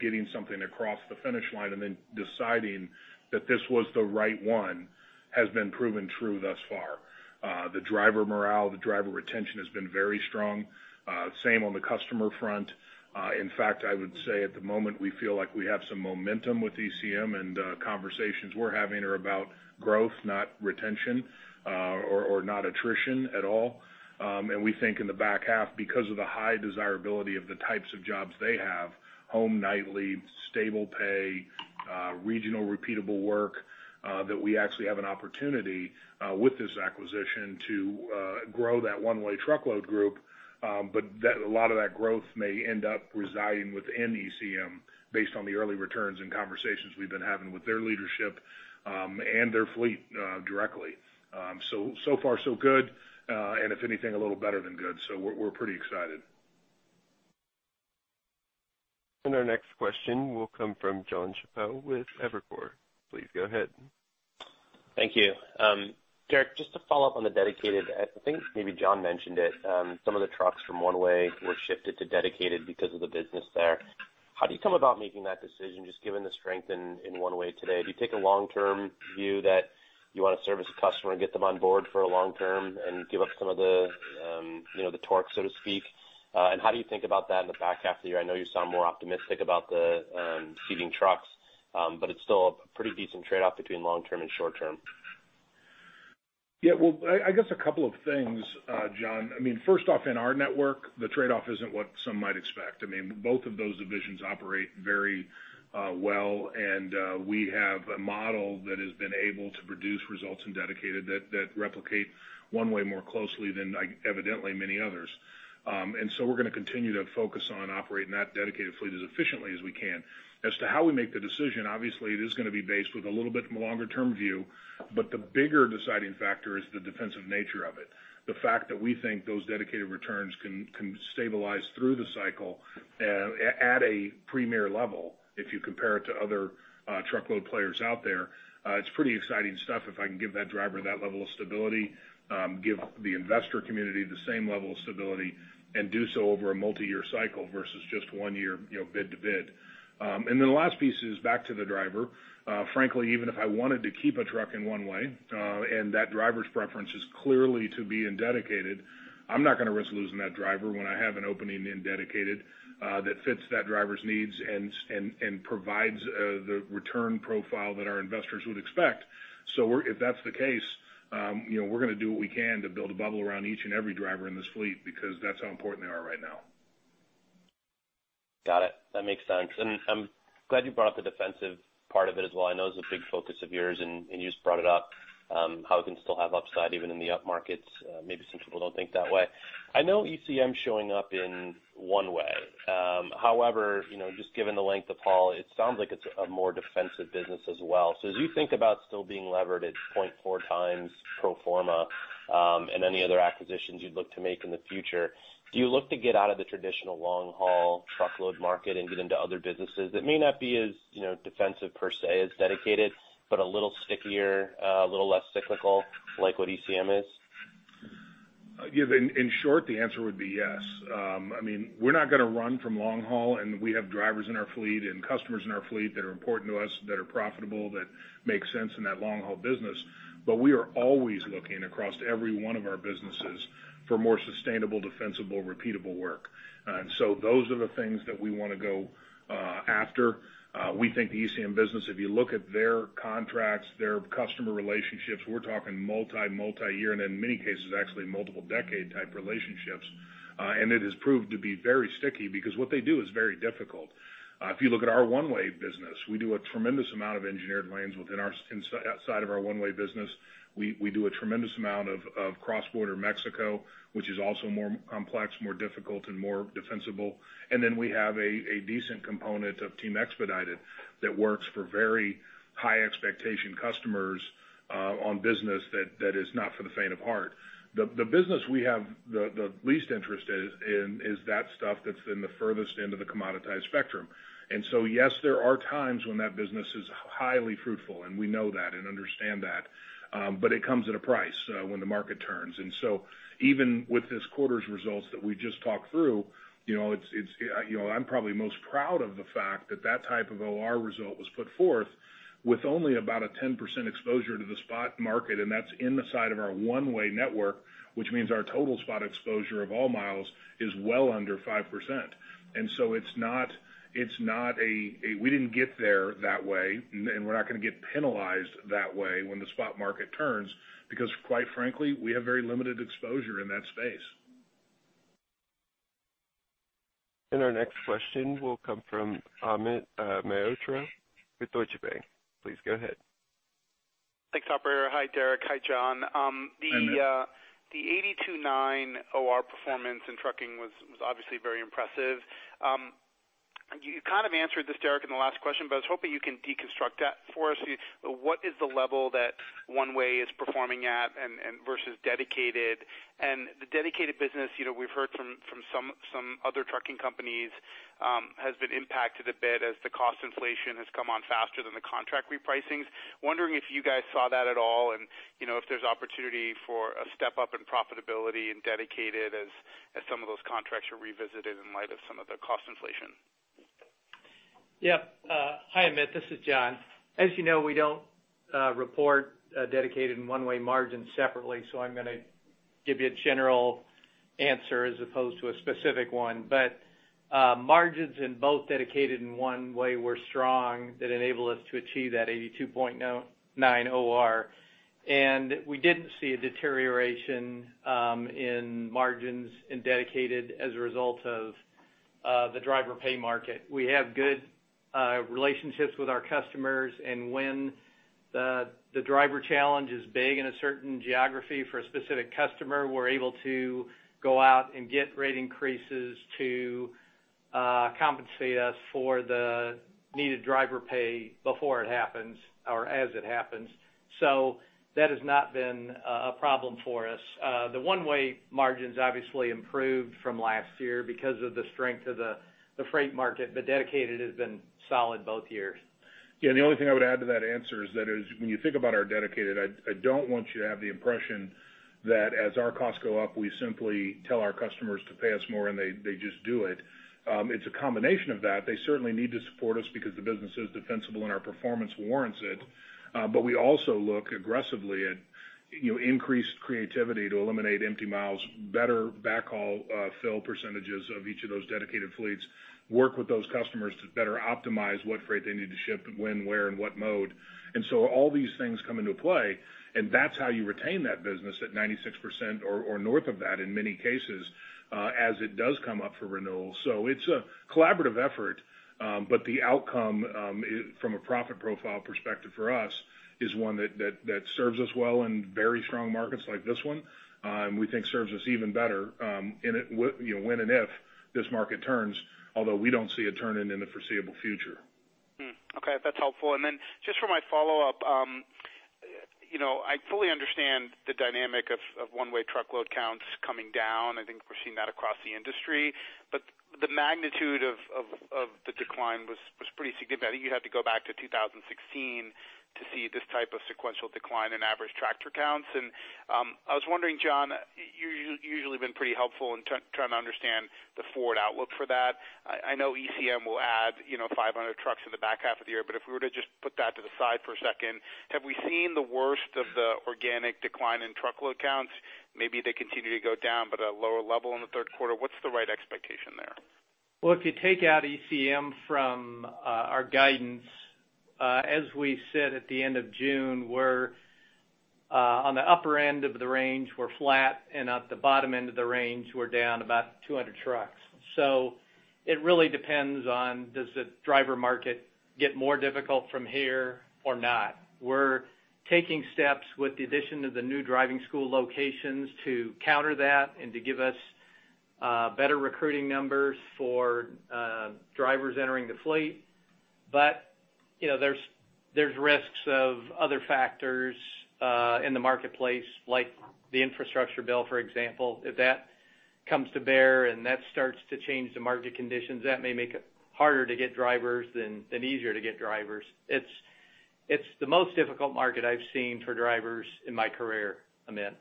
getting something across the finish line and then deciding that this was the right one, has been proven true thus far. The driver morale, the driver retention has been very strong. Same on the customer front. In fact, I would say at the moment, we feel like we have some momentum with ECM, and conversations we're having are about growth, not retention, or not attrition at all. We think in the back half, because of the high desirability of the types of jobs they have, home nightly, stable pay, regional repeatable work, that we actually have an opportunity with this acquisition to grow that one-way truckload group. A lot of that growth may end up residing within ECM based on the early returns and conversations we've been having with their leadership, and their fleet directly. Far so good. If anything, a little better than good. We're pretty excited. Our next question will come from Jonathan Chappell with Evercore. Please go ahead. Thank you. Derek, just to follow up on the Dedicated, I think maybe John mentioned it. Some of the trucks from One Way were shifted to Dedicated because of the business there. How do you come about making that decision, just given the strength in One Way today? Do you take a long-term view that you want to service a customer and get them on board for a long term and give up some of the torque, so to speak? How do you think about that in the back half of the year? I know you sound more optimistic about the seating trucks, but it's still a pretty decent trade-off between long term and short term. Yeah. Well, I guess a couple of things, Jon. First off, in our network, the trade-off isn't what some might expect. Both of those divisions operate very well, and we have a model that has been able to produce results in Dedicated that replicate One Way more closely than evidently many others. So we're going to continue to focus on operating that Dedicated fleet as efficiently as we can. As to how we make the decision, obviously, it is going to be based with a little bit longer term view, but the bigger deciding factor is the defensive nature of it. The fact that we think those Dedicated returns can stabilize through the cycle at a premier level, if you compare it to other truckload players out there. It's pretty exciting stuff. If I can give that driver that level of stability, give the investor community the same level of stability, do so over a multi-year cycle versus just one year, bid to bid. The last piece is back to the driver. Frankly, even if I wanted to keep a truck in One-Way, and that driver's preference is clearly to be in Dedicated, I'm not going to risk losing that driver when I have an opening in Dedicated that fits that driver's needs and provides the return profile that our investors would expect. If that's the case, we're going to do what we can to build a bubble around each and every driver in this fleet because that's how important they are right now. Got it. That makes sense. I'm glad you brought up the defensive part of it as well. I know it's a big focus of yours, and you just brought it up, how it can still have upside even in the up markets. Maybe some people don't think that way. I know ECM's showing up in One Way. However, just given the length of haul, it sounds like it's a more defensive business as well. As you think about still being levered at 0.4x pro forma, and any other acquisitions you'd look to make in the future, do you look to get out of the traditional long-haul truckload market and get into other businesses that may not be as defensive per se as Dedicated, but a little stickier, a little less cyclical, like what ECM is? Yeah. In short, the answer would be yes. We're not going to run from long haul, and we have drivers in our fleet and customers in our fleet that are important to us, that are profitable, that make sense in that long haul business. We are always looking across every one of our businesses for more sustainable, defensible, repeatable work. Those are the things that we want to go after. We think the ECM business, if you look at their contracts, their customer relationships, we're talking multi-year, and in many cases, actually multiple decade type relationships. It has proved to be very sticky because what they do is very difficult. If you look at our one-way business, we do a tremendous amount of engineered lanes outside of our one-way business. We do a tremendous amount of cross-border Mexico, which is also more complex, more difficult, and more defensible. We have a decent component of team expedited that works for very high expectation customers on business that is not for the faint of heart. The business we have the least interest in is that stuff that's in the furthest end of the commoditized spectrum. Yes, there are times when that business is highly fruitful, and we know that and understand that. It comes at a price when the market turns. Even with this quarter's results that we just talked through, I'm probably most proud of the fact that type of OR result was put forth with only about a 10% exposure to the spot market, and that's in the side of our one-way network, which means our total spot exposure of all miles is well under 5%. We didn't get there that way, and we're not going to get penalized that way when the spot market turns because quite frankly, we have very limited exposure in that space. Our next question will come from Amit Mehrotra with Deutsche Bank. Please go ahead. Thanks, operator. Hi, Derek. Hi, John. Hi, Amit. The 82.9% OR performance in trucking was obviously very impressive. You kind of answered this, Derek, in the last question, but I was hoping you can deconstruct that for us. What is the level that one-way is performing at versus dedicated? The dedicated business, we've heard from some other trucking companies, has been impacted a bit as the cost inflation has come on faster than the contract repricings. Wondering if you guys saw that at all, and if there's opportunity for a step up in profitability in dedicated as some of those contracts are revisited in light of some of the cost inflation? Yep. Hi, Amit. This is John. As you know, we don't report dedicated and one-way margins separately, so I'm going to give you a general answer as opposed to a specific one. Margins in both dedicated and one-way were strong that enabled us to achieve that 82.9% OR. We didn't see a deterioration in margins in dedicated as a result of the driver pay market. We have good relationships with our customers, and when the driver challenge is big in a certain geography for a specific customer, we're able to go out and get rate increases to compensate us for the needed driver pay before it happens or as it happens. That has not been a problem for us. The one-way margins obviously improved from last year because of the strength of the freight market, but dedicated has been solid both years. Yeah, the only thing I would add to that answer is that when you think about our dedicated, I don't want you to have the impression that as our costs go up, we simply tell our customers to pay us more, and they just do it. It's a combination of that. They certainly need to support us because the business is defensible, and our performance warrants it. We also look aggressively at increased creativity to eliminate empty miles, better backhaul fill percentages of each of those dedicated fleets, work with those customers to better optimize what freight they need to ship, when, where, and what mode. All these things come into play, and that's how you retain that business at 96% or north of that in many cases, as it does come up for renewal. It's a collaborative effort. The outcome, from a profit profile perspective for us, is one that serves us well in very strong markets like this one, and we think serves us even better when and if this market turns, although we don't see it turning in the foreseeable future. Okay. That's helpful. Just for my follow-up, I fully understand the dynamic of one-way truckload counts coming down. I think we're seeing that across the industry. The magnitude of the decline was pretty significant. I think you'd have to go back to 2016 to see this type of sequential decline in average tractor counts. I was wondering, John, you usually have been pretty helpful in trying to understand the forward outlook for that. I know ECM will add 500 trucks in the back half of the year. If we were to just put that to the side for a second, have we seen the worst of the organic decline in truckload counts? Maybe they continue to go down, but at a lower level in the third quarter. What's the right expectation there? Well, if you take out ECM from our guidance, as we said at the end of June, we're on the upper end of the range, we're flat, and at the bottom end of the range, we're down about 200 trucks. It really depends on, does the driver market get more difficult from here or not? We're taking steps with the addition of the new driving school locations to counter that and to give us better recruiting numbers for drivers entering the fleet. There's risks of other factors in the marketplace, like the infrastructure bill, for example. If that comes to bear and that starts to change the market conditions, that may make it harder to get drivers than easier to get drivers. It's the most difficult market I've seen for drivers in my career, Amit.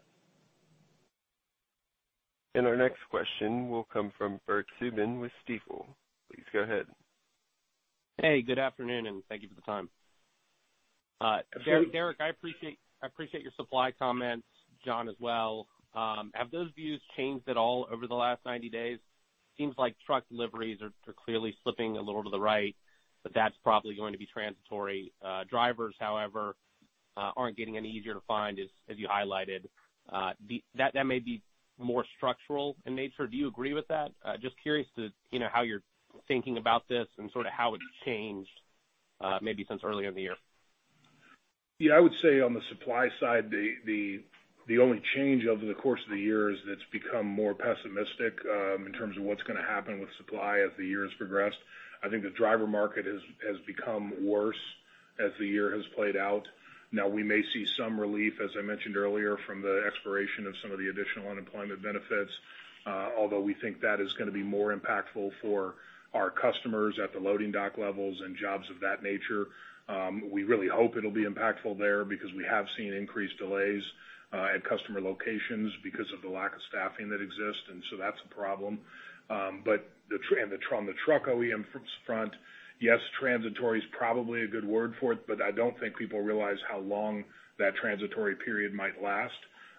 Our next question will come from Bert Subin with Stifel. Please go ahead. Hey, good afternoon, and thank you for the time. Derek, I appreciate your supply comments, John as well. Have those views changed at all over the last 90 days? Seems like truck deliveries are clearly slipping a little to the right, but that's probably going to be transitory. Drivers, however, aren't getting any easier to find, as you highlighted. That may be more structural in nature. Do you agree with that? Just curious to how you're thinking about this and sort of how it's changed, maybe since earlier in the year. I would say on the supply side, the only change over the course of the year is it's become more pessimistic, in terms of what's going to happen with supply as the year has progressed. I think the driver market has become worse as the year has played out. We may see some relief, as I mentioned earlier, from the expiration of some of the additional unemployment benefits, although we think that is going to be more impactful for our customers at the loading dock levels and jobs of that nature. We really hope it'll be impactful there because we have seen increased delays at customer locations because of the lack of staffing that exists. That's a problem. On the truck OEM front, yes, transitory is probably a good word for it, but I don't think people realize how long that transitory period might last.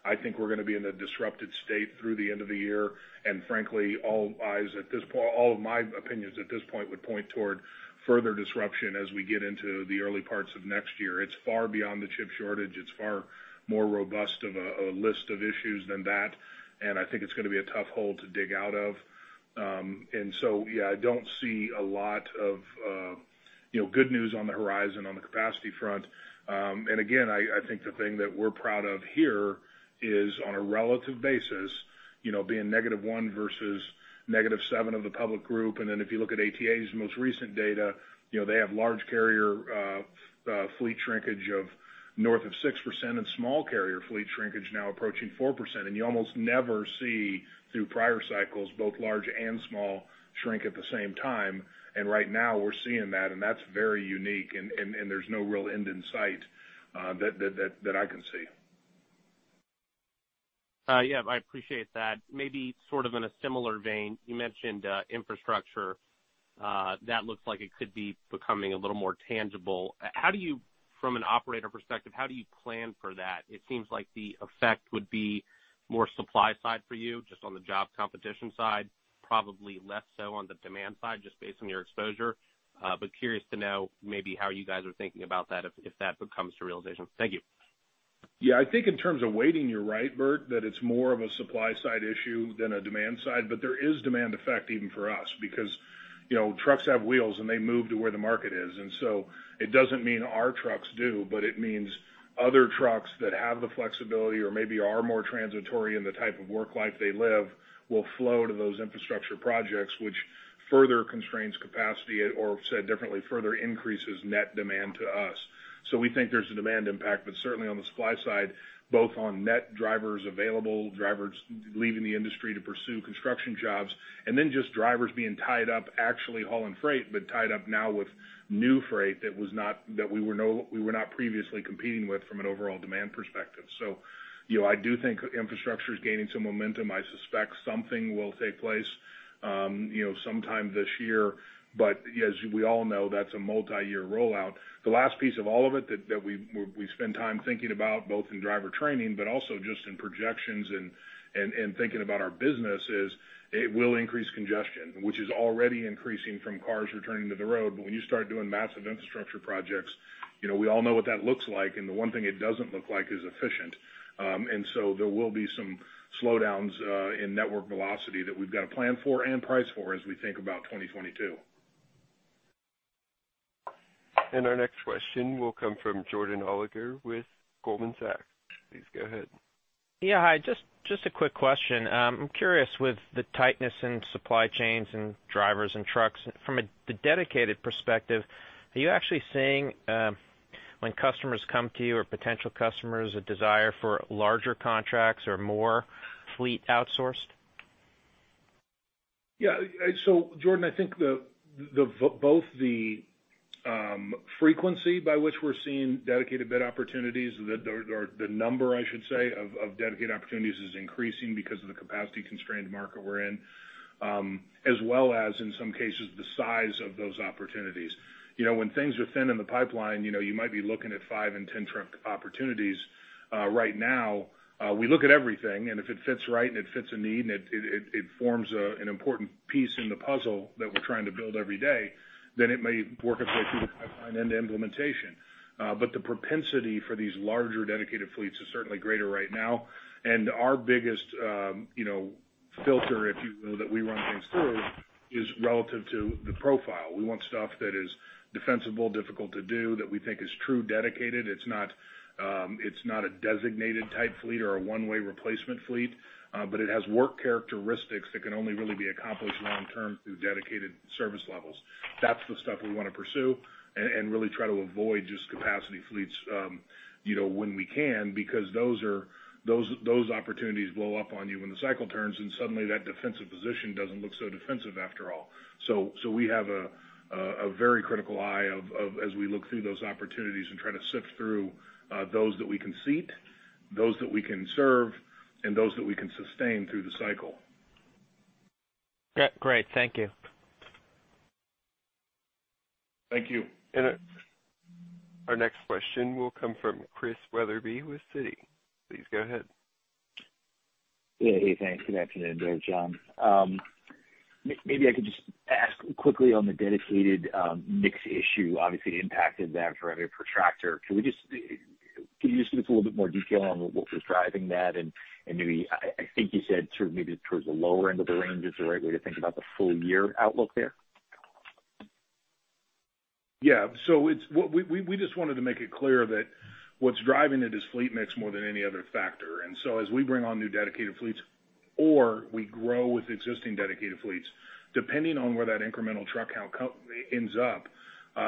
I think we're going to be in a disrupted state through the end of the year, and frankly, all of my opinions at this point would point toward further disruption as we get into the early parts of next year. It's far beyond the chip shortage. It's far more robust of a list of issues than that, and I think it's going to be a tough hole to dig out of. Yeah, I don't see a lot of good news on the horizon, on the capacity front. Again, I think the thing that we're proud of here is on a relative basis, being -1 versus -7 of the public group. If you look at ATA's most recent data, they have large carrier fleet shrinkage of north of 6% and small carrier fleet shrinkage now approaching 4%. You almost never see through prior cycles, both large and small shrink at the same time. Right now we're seeing that, and that's very unique, and there's no real end in sight that I can see. Yeah, I appreciate that. Maybe sort of in a similar vein, you mentioned infrastructure. That looks like it could be becoming a little more tangible. From an operator perspective, how do you plan for that? It seems like the effect would be more supply side for you, just on the job competition side, probably less so on the demand side, just based on your exposure. Curious to know maybe how you guys are thinking about that if that becomes to realization. Thank you. Yeah, I think in terms of weighting, you're right, Bert, that it's more of a supply side issue than a demand side, but there is demand effect even for us because trucks have wheels, and they move to where the market is. It doesn't mean our trucks do, but it means other trucks that have the flexibility or maybe are more transitory in the type of work life they live will flow to those infrastructure projects, which further constrains capacity or said differently, further increases net demand to us. We think there's a demand impact, but certainly on the supply side, both on net drivers available, drivers leaving the industry to pursue construction jobs, and then just drivers being tied up actually hauling freight, but tied up now with new freight, that we were not previously competing with from an overall demand perspective. I do think infrastructure is gaining some momentum. I suspect something will take place sometime this year. As we all know, that's a multi-year rollout. The last piece of all of it that we spend time thinking about, both in driver training, but also just in projections and thinking about our business is it will increase congestion, which is already increasing from cars returning to the road. When you start doing massive infrastructure projects, we all know what that looks like, and the one thing it doesn't look like is efficient. There will be some slowdowns in network velocity that we've got to plan for and price for as we think about 2022. Our next question will come from Jordan Alliger with Goldman Sachs. Please go ahead. Yeah, hi. Just a quick question. I'm curious with the tightness in supply chains and drivers and trucks. From a dedicated perspective, are you actually seeing when customers come to you or potential customers, a desire for larger contracts or more fleet outsourced? Yeah. Jordan, I think both the frequency by which we're seeing dedicated bid opportunities or the number, I should say, of dedicated opportunities is increasing because of the capacity constrained market we're in. As well as in some cases, the size of those opportunities. When things are thin in the pipeline, you might be looking at five and 10 truck opportunities. Right now, we look at everything, and if it fits right and it fits a need, and it forms an important piece in the puzzle that we're trying to build every day, then it may work its way through the pipeline and to implementation. The propensity for these larger dedicated fleets is certainly greater right now. Our biggest filter, if you will, that we run things through is relative to the profile. We want stuff that is defensible, difficult to do, that we think is true dedicated. It's not a designated type fleet or a one-way replacement fleet. It has work characteristics that can only really be accomplished long term through dedicated service levels. That's the stuff we want to pursue and really try to avoid just capacity fleets when we can, because those opportunities blow up on you when the cycle turns, and suddenly that defensive position doesn't look so defensive after all. We have a very critical eye as we look through those opportunities and try to sift through those that we can seat, those that we can serve. Those that we can sustain through the cycle. Great. Thank you. Thank you. Our next question will come from Chris Wetherbee with Citi. Please go ahead. Yeah. Hey, thanks. Good afternoon, Darek, John. Maybe I could just ask quickly on the dedicated mix issue, obviously it impacted that revenue per tractor. Can you just give us a little bit more detail on what's driving that? Maybe, I think you said sort of maybe towards the lower end of the range is the right way to think about the full year outlook there? We just wanted to make it clear that what's driving it is fleet mix more than any other factor. As we bring on new dedicated fleets, or we grow with existing dedicated fleets, depending on where that incremental truck count ends up,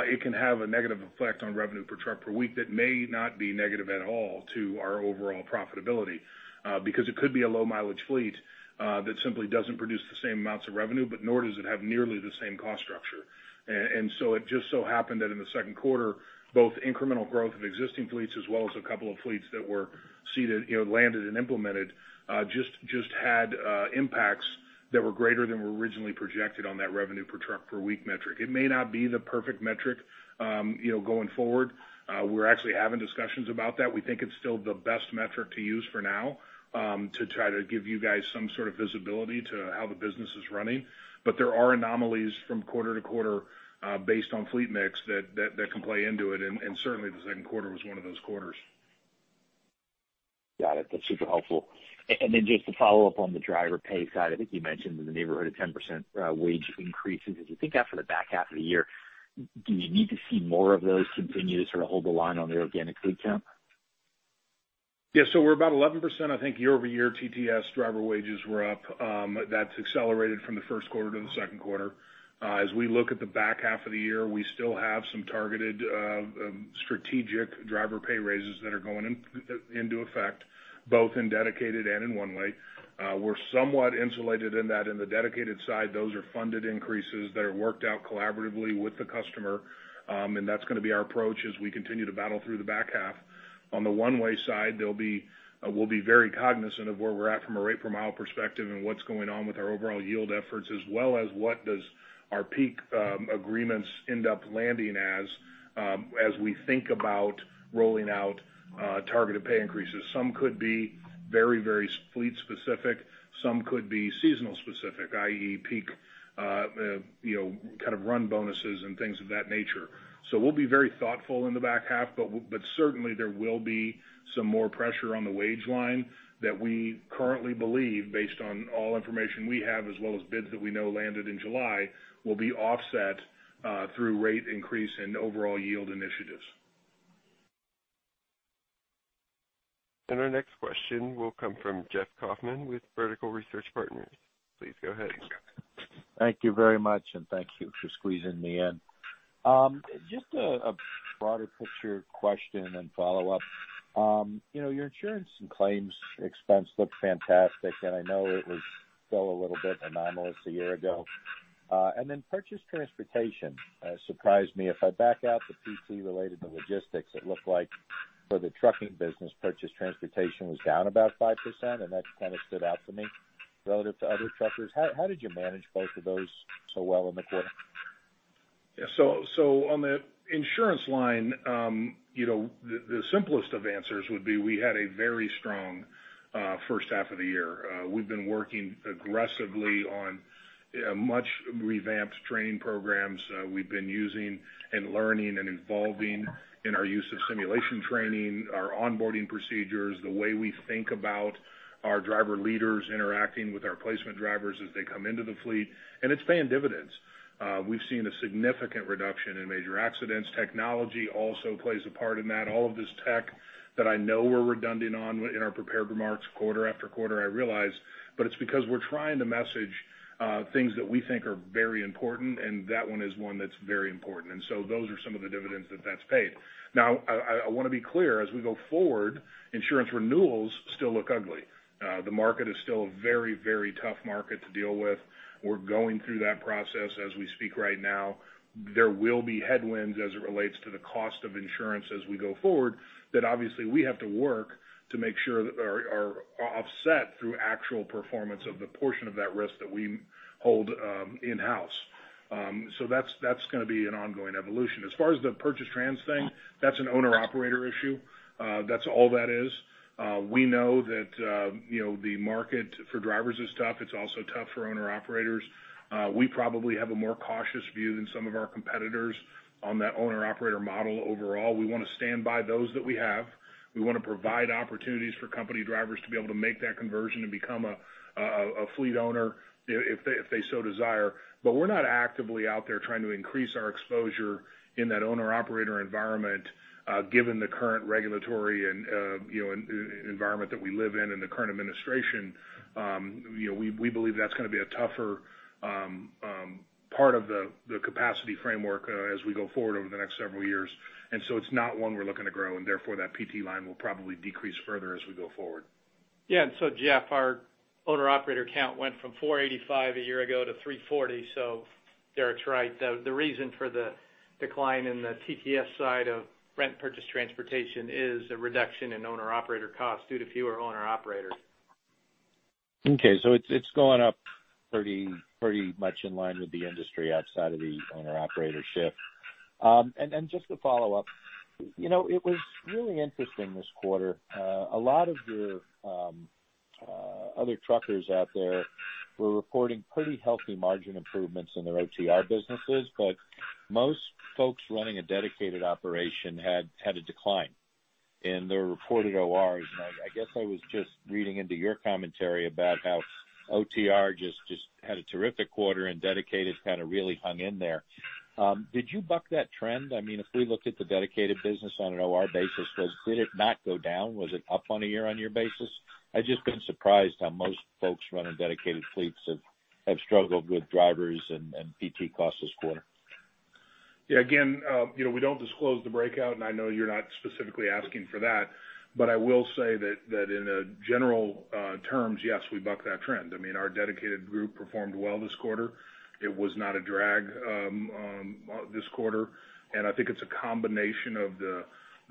it can have a negative effect on revenue per truck per week that may not be negative at all to our overall profitability, because it could be a low mileage fleet, that simply doesn't produce the same amounts of revenue, but nor does it have nearly the same cost structure. It just so happened that in the second quarter, both incremental growth of existing fleets as well as a couple of fleets that were seated, landed and implemented, just had impacts that were greater than were originally projected on that revenue per truck per week metric. It may not be the perfect metric going forward. We're actually having discussions about that. We think it's still the best metric to use for now, to try to give you guys some sort of visibility to how the business is running. There are anomalies from quarte- to-quarter based on fleet mix that can play into it, and certainly the second quarter was one of those quarters. Got it. That's super helpful. Just to follow up on the driver pay side, I think you mentioned in the neighborhood of 10% wage increases. As you think out for the back half of the year, do you need to see more of those continue to sort of hold the line on the organic fleet count? We're about 11% year-over-year TTS driver wages were up. That's accelerated from the first quarter to the second quarter. We look at the back half of the year, we still have some targeted strategic driver pay raises that are going into effect, both in Dedicated and in One-Way. We're somewhat insulated in that in the Dedicated side, those are funded increases that are worked out collaboratively with the customer. That's going to be our approach as we continue to battle through the back half. On the One-Way side, we'll be very cognizant of where we're at from a rate per mile perspective and what's going on with our overall yield efforts, as well as what does our peak agreements end up landing as we think about rolling out targeted pay increases. Some could be very fleet specific. Some could be seasonal specific, i.e., peak run bonuses and things of that nature. We'll be very thoughtful in the back half, but certainly there will be some more pressure on the wage line that we currently believe based on all information we have as well as bids that we know landed in July, will be offset through rate increase and overall yield initiatives. Our next question will come from Jeffrey Kauffman with Vertical Research Partners. Please go ahead. Thank you very much, and thank you for squeezing me in. Just a broader picture question and follow-up. Your insurance and claims expense looked fantastic, and I know it was still a little bit anomalous a year ago. Purchased transportation surprised me. If I back out the PT related to logistics, it looked like for the trucking business, purchased transportation was down about 5%, and that kind of stood out for me relative to other truckers. How did you manage both of those so well in the quarter? On the insurance line, the simplest of answers would be we had a very strong first half of the year. We've been working aggressively on much revamped training programs. We've been using and learning and evolving in our use of simulation training, our onboarding procedures, the way we think about our driver leaders interacting with our placement drivers as they come into the fleet, and it's paying dividends. We've seen a significant reduction in major accidents. Technology also plays a part in that. All of this tech that I know we're redundant on in our prepared remarks quarter after quarter, I realize, but it's because we're trying to message things that we think are very important, and that one is one that's very important. Those are some of the dividends that that's paid. I want to be clear, as we go forward, insurance renewals still look ugly. The market is still a very tough market to deal with. We're going through that process as we speak right now. There will be headwinds as it relates to the cost of insurance as we go forward that obviously we have to work to make sure are offset through actual performance of the portion of that risk that we hold in-house. That's going to be an ongoing evolution. As far as the purchase trans thing, that's an owner-operator issue. That's all that is. We know that the market for drivers is tough. It's also tough for owner-operators. We probably have a more cautious view than some of our competitors on that owner-operator model overall. We want to stand by those that we have. We want to provide opportunities for company drivers to be able to make that conversion and become a fleet owner if they so desire. We're not actively out there trying to increase our exposure in that owner-operator environment given the current regulatory environment that we live in and the current administration. We believe that's going to be a tougher part of the capacity framework as we go forward over the next several years. It's not one we're looking to grow, and therefore that PT line will probably decrease further as we go forward. Yeah, Jeff, our. Owner-operator count went from 485 a year ago to 340. Derek's right. The reason for the decline in the TTS side of rent purchase transportation is a reduction in owner-operator costs due to fewer owner-operators. Okay. It's going up pretty much in line with the industry outside of the owner-operator shift. Just to follow up, it was really interesting this quarter. A lot of the other truckers out there were reporting pretty healthy margin improvements in their OTR businesses, but most folks running a dedicated operation had a decline in their reported ORs. I guess I was just reading into your commentary about how OTR just had a terrific quarter and dedicated kind of really hung in there. Did you buck that trend? If we looked at the dedicated business on an OR basis, did it not go down? Was it up on a year-on-year basis? I've just been surprised how most folks running dedicated fleets have struggled with drivers and PT costs this quarter. Yeah, again, we don't disclose the breakout, and I know you're not specifically asking for that, but I will say that in general terms, yes, we bucked that trend. Our dedicated group performed well this quarter. It was not a drag this quarter, and I think it's a combination of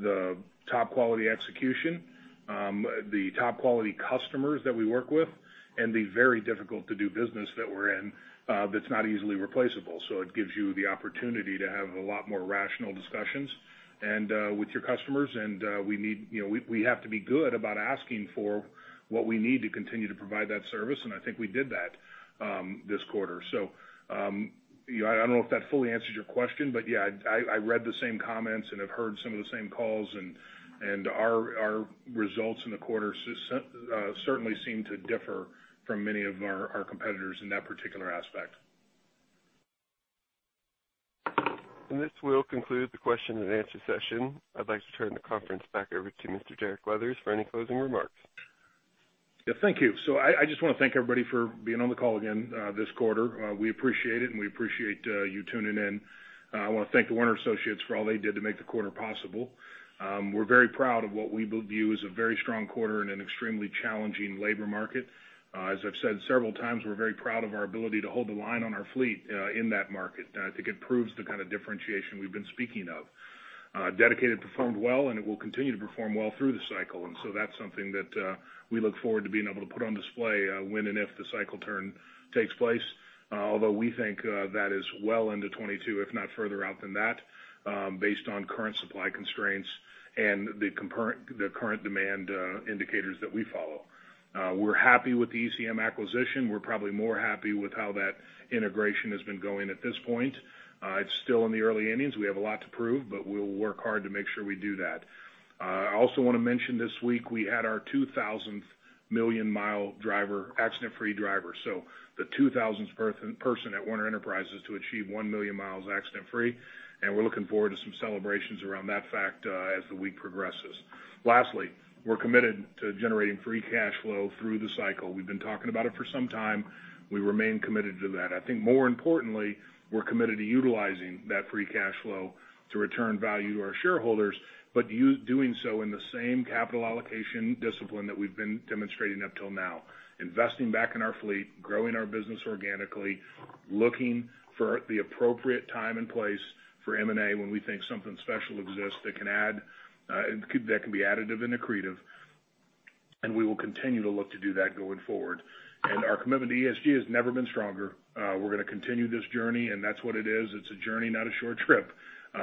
the top-quality execution, the top-quality customers that we work with, and the very difficult to do business that we're in that's not easily replaceable. It gives you the opportunity to have a lot more rational discussions with your customers, and we have to be good about asking for what we need to continue to provide that service, and I think we did that this quarter. I don't know if that fully answers your question, but yeah, I read the same comments and have heard some of the same calls, and our results in the quarter certainly seem to differ from many of our competitors in that particular aspect. This will conclude the question and answer session. I'd like to turn the conference back over to Mr. Derek Leathers for any closing remarks. Thank you. I just want to thank everybody for being on the call again this quarter. We appreciate it, and we appreciate you tuning in. I want to thank the Werner associates for all they did to make the quarter possible. We're very proud of what we view as a very strong quarter in an extremely challenging labor market. As I've said several times, we're very proud of our ability to hold the line on our fleet in that market. I think it proves the kind of differentiation we've been speaking of. Dedicated performed well, and it will continue to perform well through the cycle. That's something that we look forward to being able to put on display when and if the cycle turn takes place. Although we think that is well into 2022, if not further out than that, based on current supply constraints and the current demand indicators that we follow. We're happy with the ECM acquisition. We're probably more happy with how that integration has been going at this point. It's still in the early innings. We have a lot to prove. We'll work hard to make sure we do that. I also want to mention this week we had our 2,000th million mi accident-free driver. The 2,000th person at Werner Enterprises to achieve 1 million mi accident free. We're looking forward to some celebrations around that fact as the week progresses. Lastly, we're committed to generating free cash flow through the cycle. We've been talking about it for some time. We remain committed to that. I think more importantly, we're committed to utilizing that free cash flow to return value to our shareholders, but doing so in the same capital allocation discipline that we've been demonstrating up till now. Investing back in our fleet, growing our business organically, looking for the appropriate time and place for M&A when we think something special exists that can be additive and accretive. We will continue to look to do that going forward. Our commitment to ESG has never been stronger. We're going to continue this journey, and that's what it is. It's a journey, not a short trip.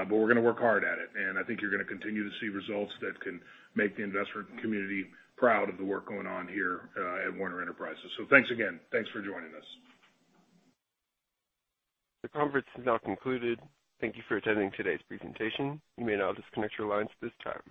We're going to work hard at it. I think you're going to continue to see results that can make the investment community proud of the work going on here at Werner Enterprises. Thanks again. Thanks for joining us. The conference is now concluded. Thank you for attending today's presentation. You may now disconnect your lines at this time.